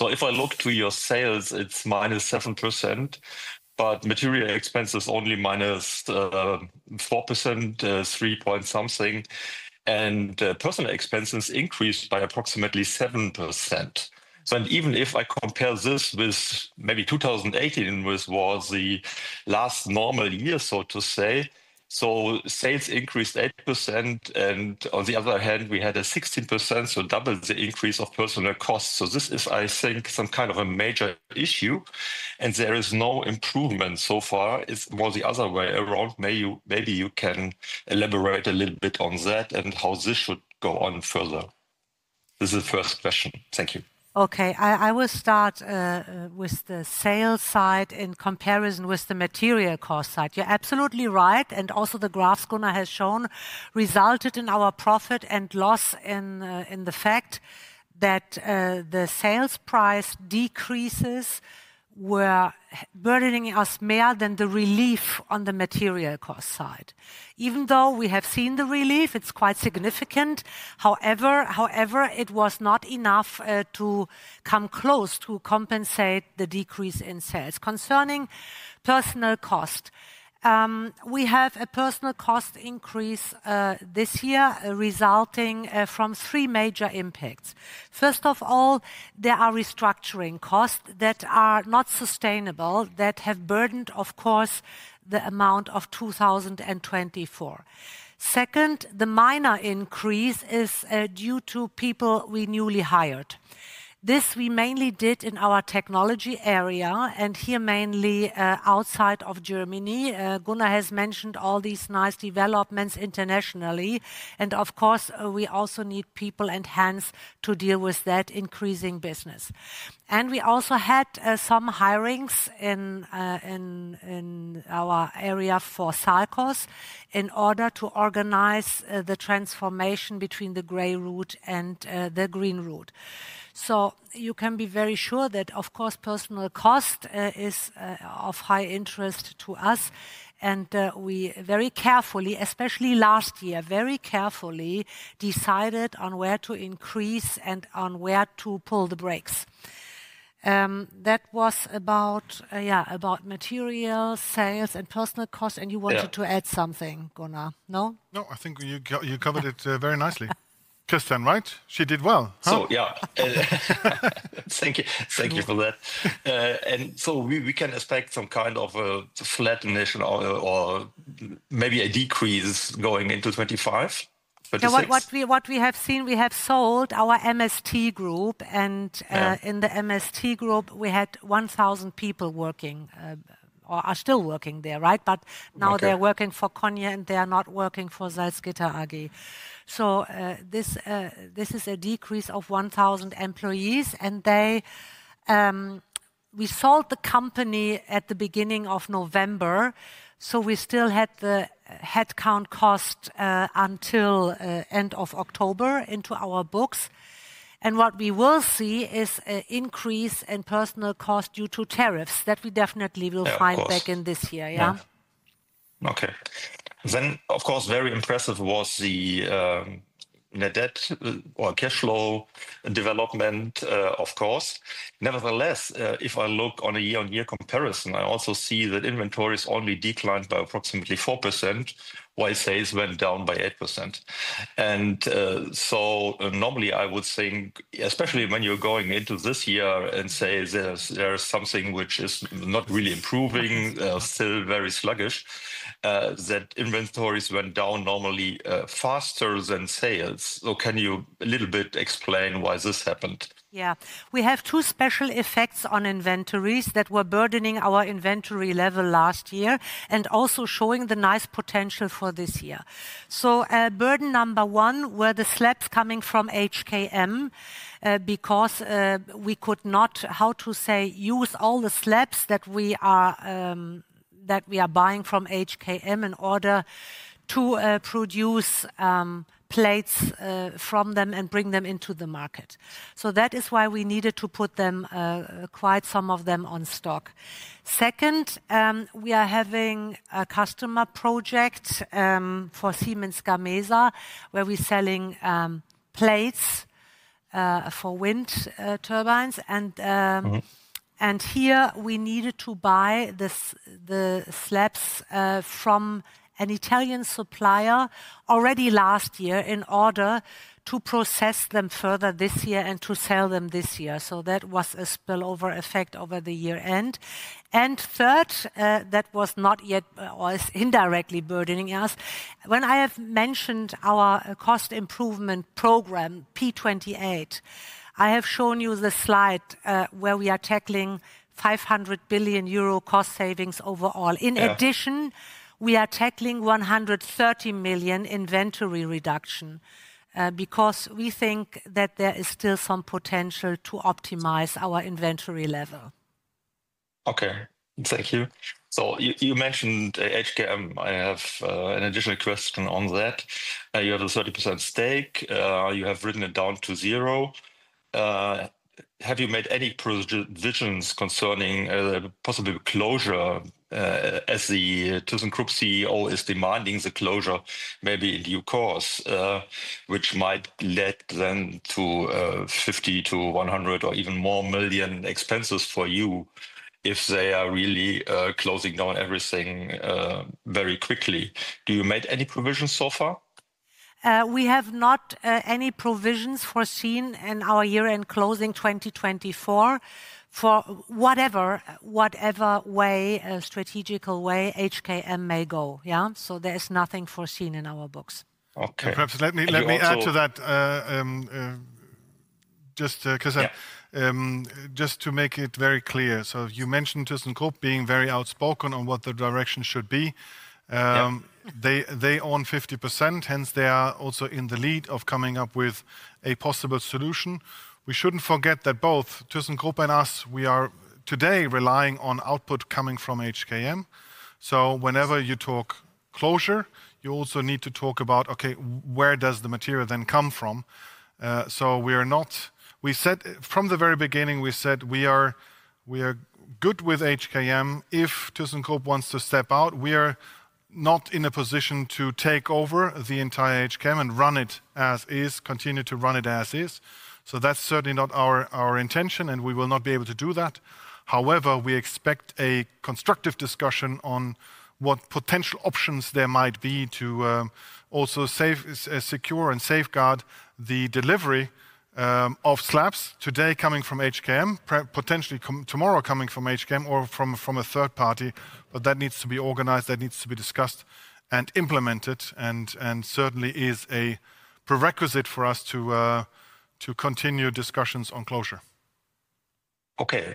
If I look to your sales, it's minus 7%, but material expenses only minus 4%, 3 point something. Personal expenses increased by approximately 7%. Even if I compare this with maybe 2018, which was the last normal year, so to say, sales increased 8%. On the other hand, we had a 16%, so double the increase of personal costs. This is, I think, some kind of a major issue. There is no improvement so far. It's more the other way around. Maybe you can elaborate a little bit on that and how this should go on further. This is the first question. Thank you. Okay. I will start with the sales side in comparison with the material cost side. You're absolutely right. Also, the graphs Gunnar has shown resulted in our profit and loss in the fact that the sales price decreases were burdening us more than the relief on the material cost side. Even though we have seen the relief, it's quite significant. However, it was not enough to come close to compensate the decrease in sales. Concerning personnel cost, we have a personnel cost increase this year resulting from three major impacts. First of all, there are restructuring costs that are not sustainable that have burdened, of course, the amount of 2024. Second, the minor increase is due to people we newly hired. This we mainly did in our technology area and here mainly outside of Germany. Gunnar has mentioned all these nice developments internationally. Of course, we also need people and hands to deal with that increasing business. We also had some hirings in our area for SALCOS in order to organize the transformation between the gray route and the green route. You can be very sure that, of course, personnel cost is of high interest to us. We very carefully, especially last year, very carefully decided on where to increase and on where to pull the brakes. That was about, yeah, about material sales and personnel cost. You wanted to add something, Gunnar? No. No, I think you covered it very nicely. Christian, right? She did well. Yeah. Thank you for that. We can expect some kind of a flattenation or maybe a decrease going into 2025. What we have seen, we have sold our MST group. In the MST group, we had 1,000 people working or are still working there, right? Now they are working for Konya and they are not working for Salzgitter AG. This is a decrease of 1,000 employees. We sold the company at the beginning of November. We still had the headcount cost until the end of October in our books. What we will see is an increase in personnel cost due to tariffs that we definitely will find back in this year. Very impressive was the net debt or cash flow development, of course. Nevertheless, if I look on a year-on-year comparison, I also see that inventories only declined by approximately 4% while sales went down by 8%. Normally, I would think, especially when you're going into this year and say there's something which is not really improving, still very sluggish, that inventories went down normally faster than sales. Can you a little bit explain why this happened? Yeah. We have two special effects on inventories that were burdening our inventory level last year and also showing the nice potential for this year. Burden number one were the slabs coming from HKM because we could not, how to say, use all the slabs that we are buying from HKM in order to produce plates from them and bring them into the market. That is why we needed to put quite some of them on stock. Second, we are having a customer project for Siemens Gamesa where we're selling plates for wind turbines. Here we needed to buy the slabs from an Italian supplier already last year in order to process them further this year and to sell them this year. That was a spillover effect over the year end. Third, that was not yet indirectly burdening us. When I have mentioned our cost improvement program, P28, I have shown you the slide where we are tackling 500 million euro cost savings overall. In addition, we are tackling 130 million inventory reduction because we think that there is still some potential to optimize our inventory level. Okay. Thank you. You mentioned HKM. I have an additional question on that. You have a 30% stake. You have written it down to zero. Have you made any provisions concerning possible closure as the ThyssenKrupp CEO is demanding the closure maybe in due course, which might lead then to 50 million-100 million or even more expenses for you if they are really closing down everything very quickly? Do you make any provisions so far? We have not any provisions foreseen in our year-end closing 2024 for whatever way, strategical way HKM may go. Yeah. There is nothing foreseen in our books. Okay. Perhaps let me add to that just because just to make it very clear. You mentioned ThyssenKrupp being very outspoken on what the direction should be. They own 50%, hence they are also in the lead of coming up with a possible solution. We should not forget that both ThyssenKrupp and us, we are today relying on output coming from HKM. Whenever you talk closure, you also need to talk about, okay, where does the material then come from? We are not, from the very beginning, we said we are good with HKM. If ThyssenKrupp wants to step out, we are not in a position to take over the entire HKM and run it as is, continue to run it as is. That is certainly not our intention, and we will not be able to do that. However, we expect a constructive discussion on what potential options there might be to also secure and safeguard the delivery of slabs today coming from HKM, potentially tomorrow coming from HKM or from a third party. That needs to be organized, that needs to be discussed and implemented, and certainly is a prerequisite for us to continue discussions on closure. Okay.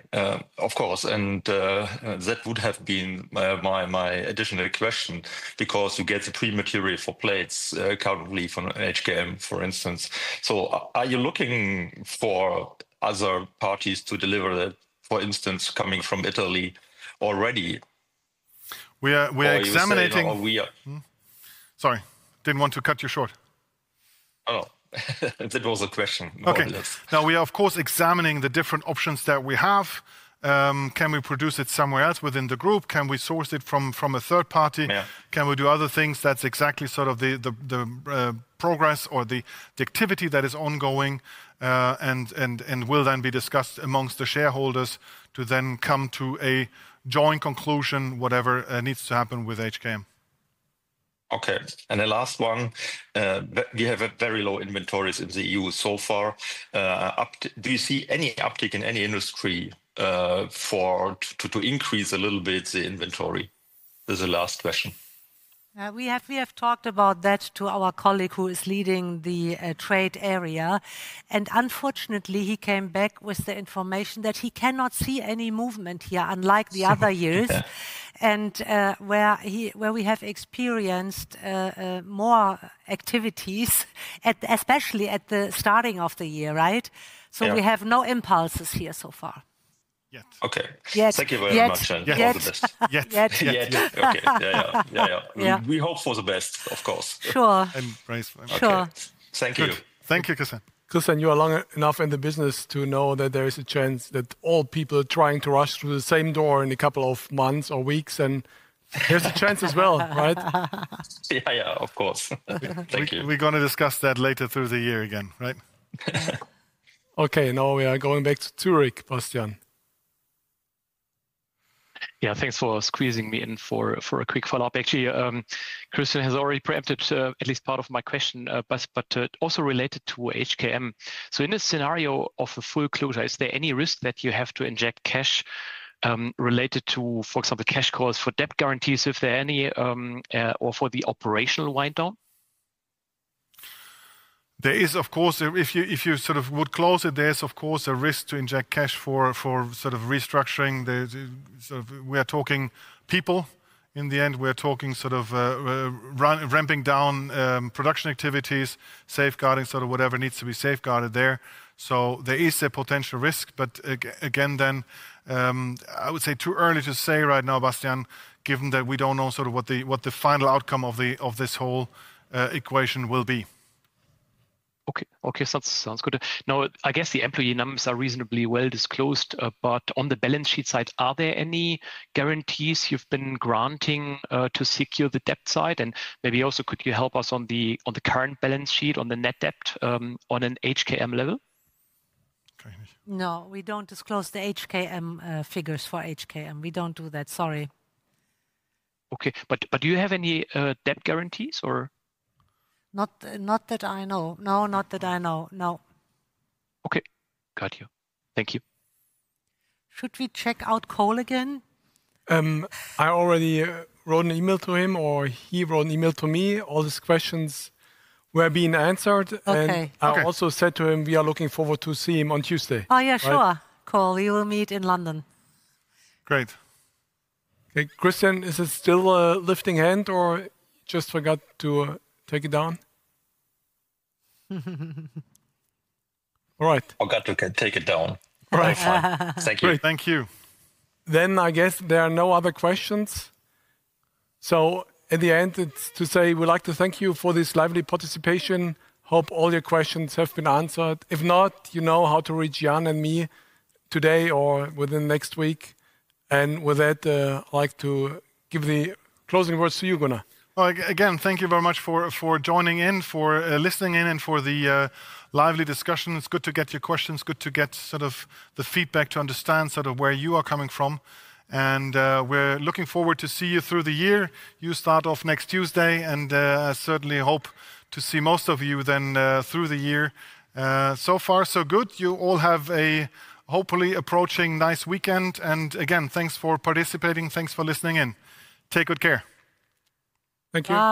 Of course. That would have been my additional question because you get the pre-material for plates currently from HKM, for instance. Are you looking for other parties to deliver that, for instance, coming from Italy already? We are examining. Sorry, did not want to cut you short. Oh, that was a question. We are, of course, examining the different options that we have. Can we produce it somewhere else within the group? Can we source it from a third party? Can we do other things? That is exactly sort of the progress or the activity that is ongoing and will then be discussed amongst the shareholders to then come to a joint conclusion, whatever needs to happen with HKM. Okay. The last one, we have very low inventories in the EU so far. Do you see any uptick in any industry to increase a little bit the inventory? This is the last question. We have talked about that to our colleague who is leading the trade area. Unfortunately, he came back with the information that he cannot see any movement here, unlike the other years, where we have experienced more activities, especially at the starting of the year, right? We have no impulses here so far yet. Okay. Thank you very much. Yes. Yes. Yes. Yes. Yes. Yes. Yes. Yes. Yes. Yes. Okay. Yeah. Yeah. Yeah. Yeah. We hope for the best, of course. Sure. Thank you. Thank you, Christian. Christian, you are long enough in the business to know that there is a chance that all people are trying to rush through the same door in a couple of months or weeks, and there's a chance as well, right? Yeah. Yeah. Of course. Thank you. We're going to discuss that later through the year again, right? Okay. Now we are going back to Zurich, Bastian. Yeah. Thanks for squeezing me in for a quick follow-up. Actually, Christian has already preempted at least part of my question, but also related to HKM. In this scenario of a full closure, is there any risk that you have to inject cash related to, for example, cash calls for debt guarantees, if there are any, or for the operational wind-down? There is, of course, if you sort of would close it, there's, of course, a risk to inject cash for sort of restructuring. We are talking people in the end. We are talking sort of ramping down production activities, safeguarding sort of whatever needs to be safeguarded there. There is a potential risk, but again, I would say too early to say right now, Bastian, given that we do not know sort of what the final outcome of this whole equation will be. Okay. Okay. Sounds good. Now, I guess the employee numbers are reasonably well disclosed, but on the balance sheet side, are there any guarantees you have been granting to secure the debt side? And maybe also could you help us on the current balance sheet, on the net debt on an HKM level? No, we do not disclose the HKM figures for HKM. We do not do that. Sorry. Okay. But do you have any debt guarantees or? Not that I know. No, not that I know. No. Okay. Got you. Thank you. Should we check out Cole again? I already wrote an email to him or he wrote an email to me. All these questions were being answered. I also said to him, we are looking forward to seeing him on Tuesday. Oh, yeah, sure. Cole, we will meet in London. Great. Okay. Christian, is it still a lifting hand or just forgot to take it down? All right. Forgot to take it down. All right. Thank you. Thank you. I guess there are no other questions. At the end, it's to say we'd like to thank you for this lively participation. Hope all your questions have been answered. If not, you know how to reach Jan and me today or within the next week. With that, I'd like to give the closing words to you, Gunnar. Again, thank you very much for joining in, for listening in, and for the lively discussion.It's good to get your questions, good to get sort of the feedback to understand sort of where you are coming from. We are looking forward to see you through the year. You start off next Tuesday, and I certainly hope to see most of you then through the year. So far, so good. You all have a hopefully approaching nice weekend. Again, thanks for participating. Thanks for listening in. Take good care. Thank you.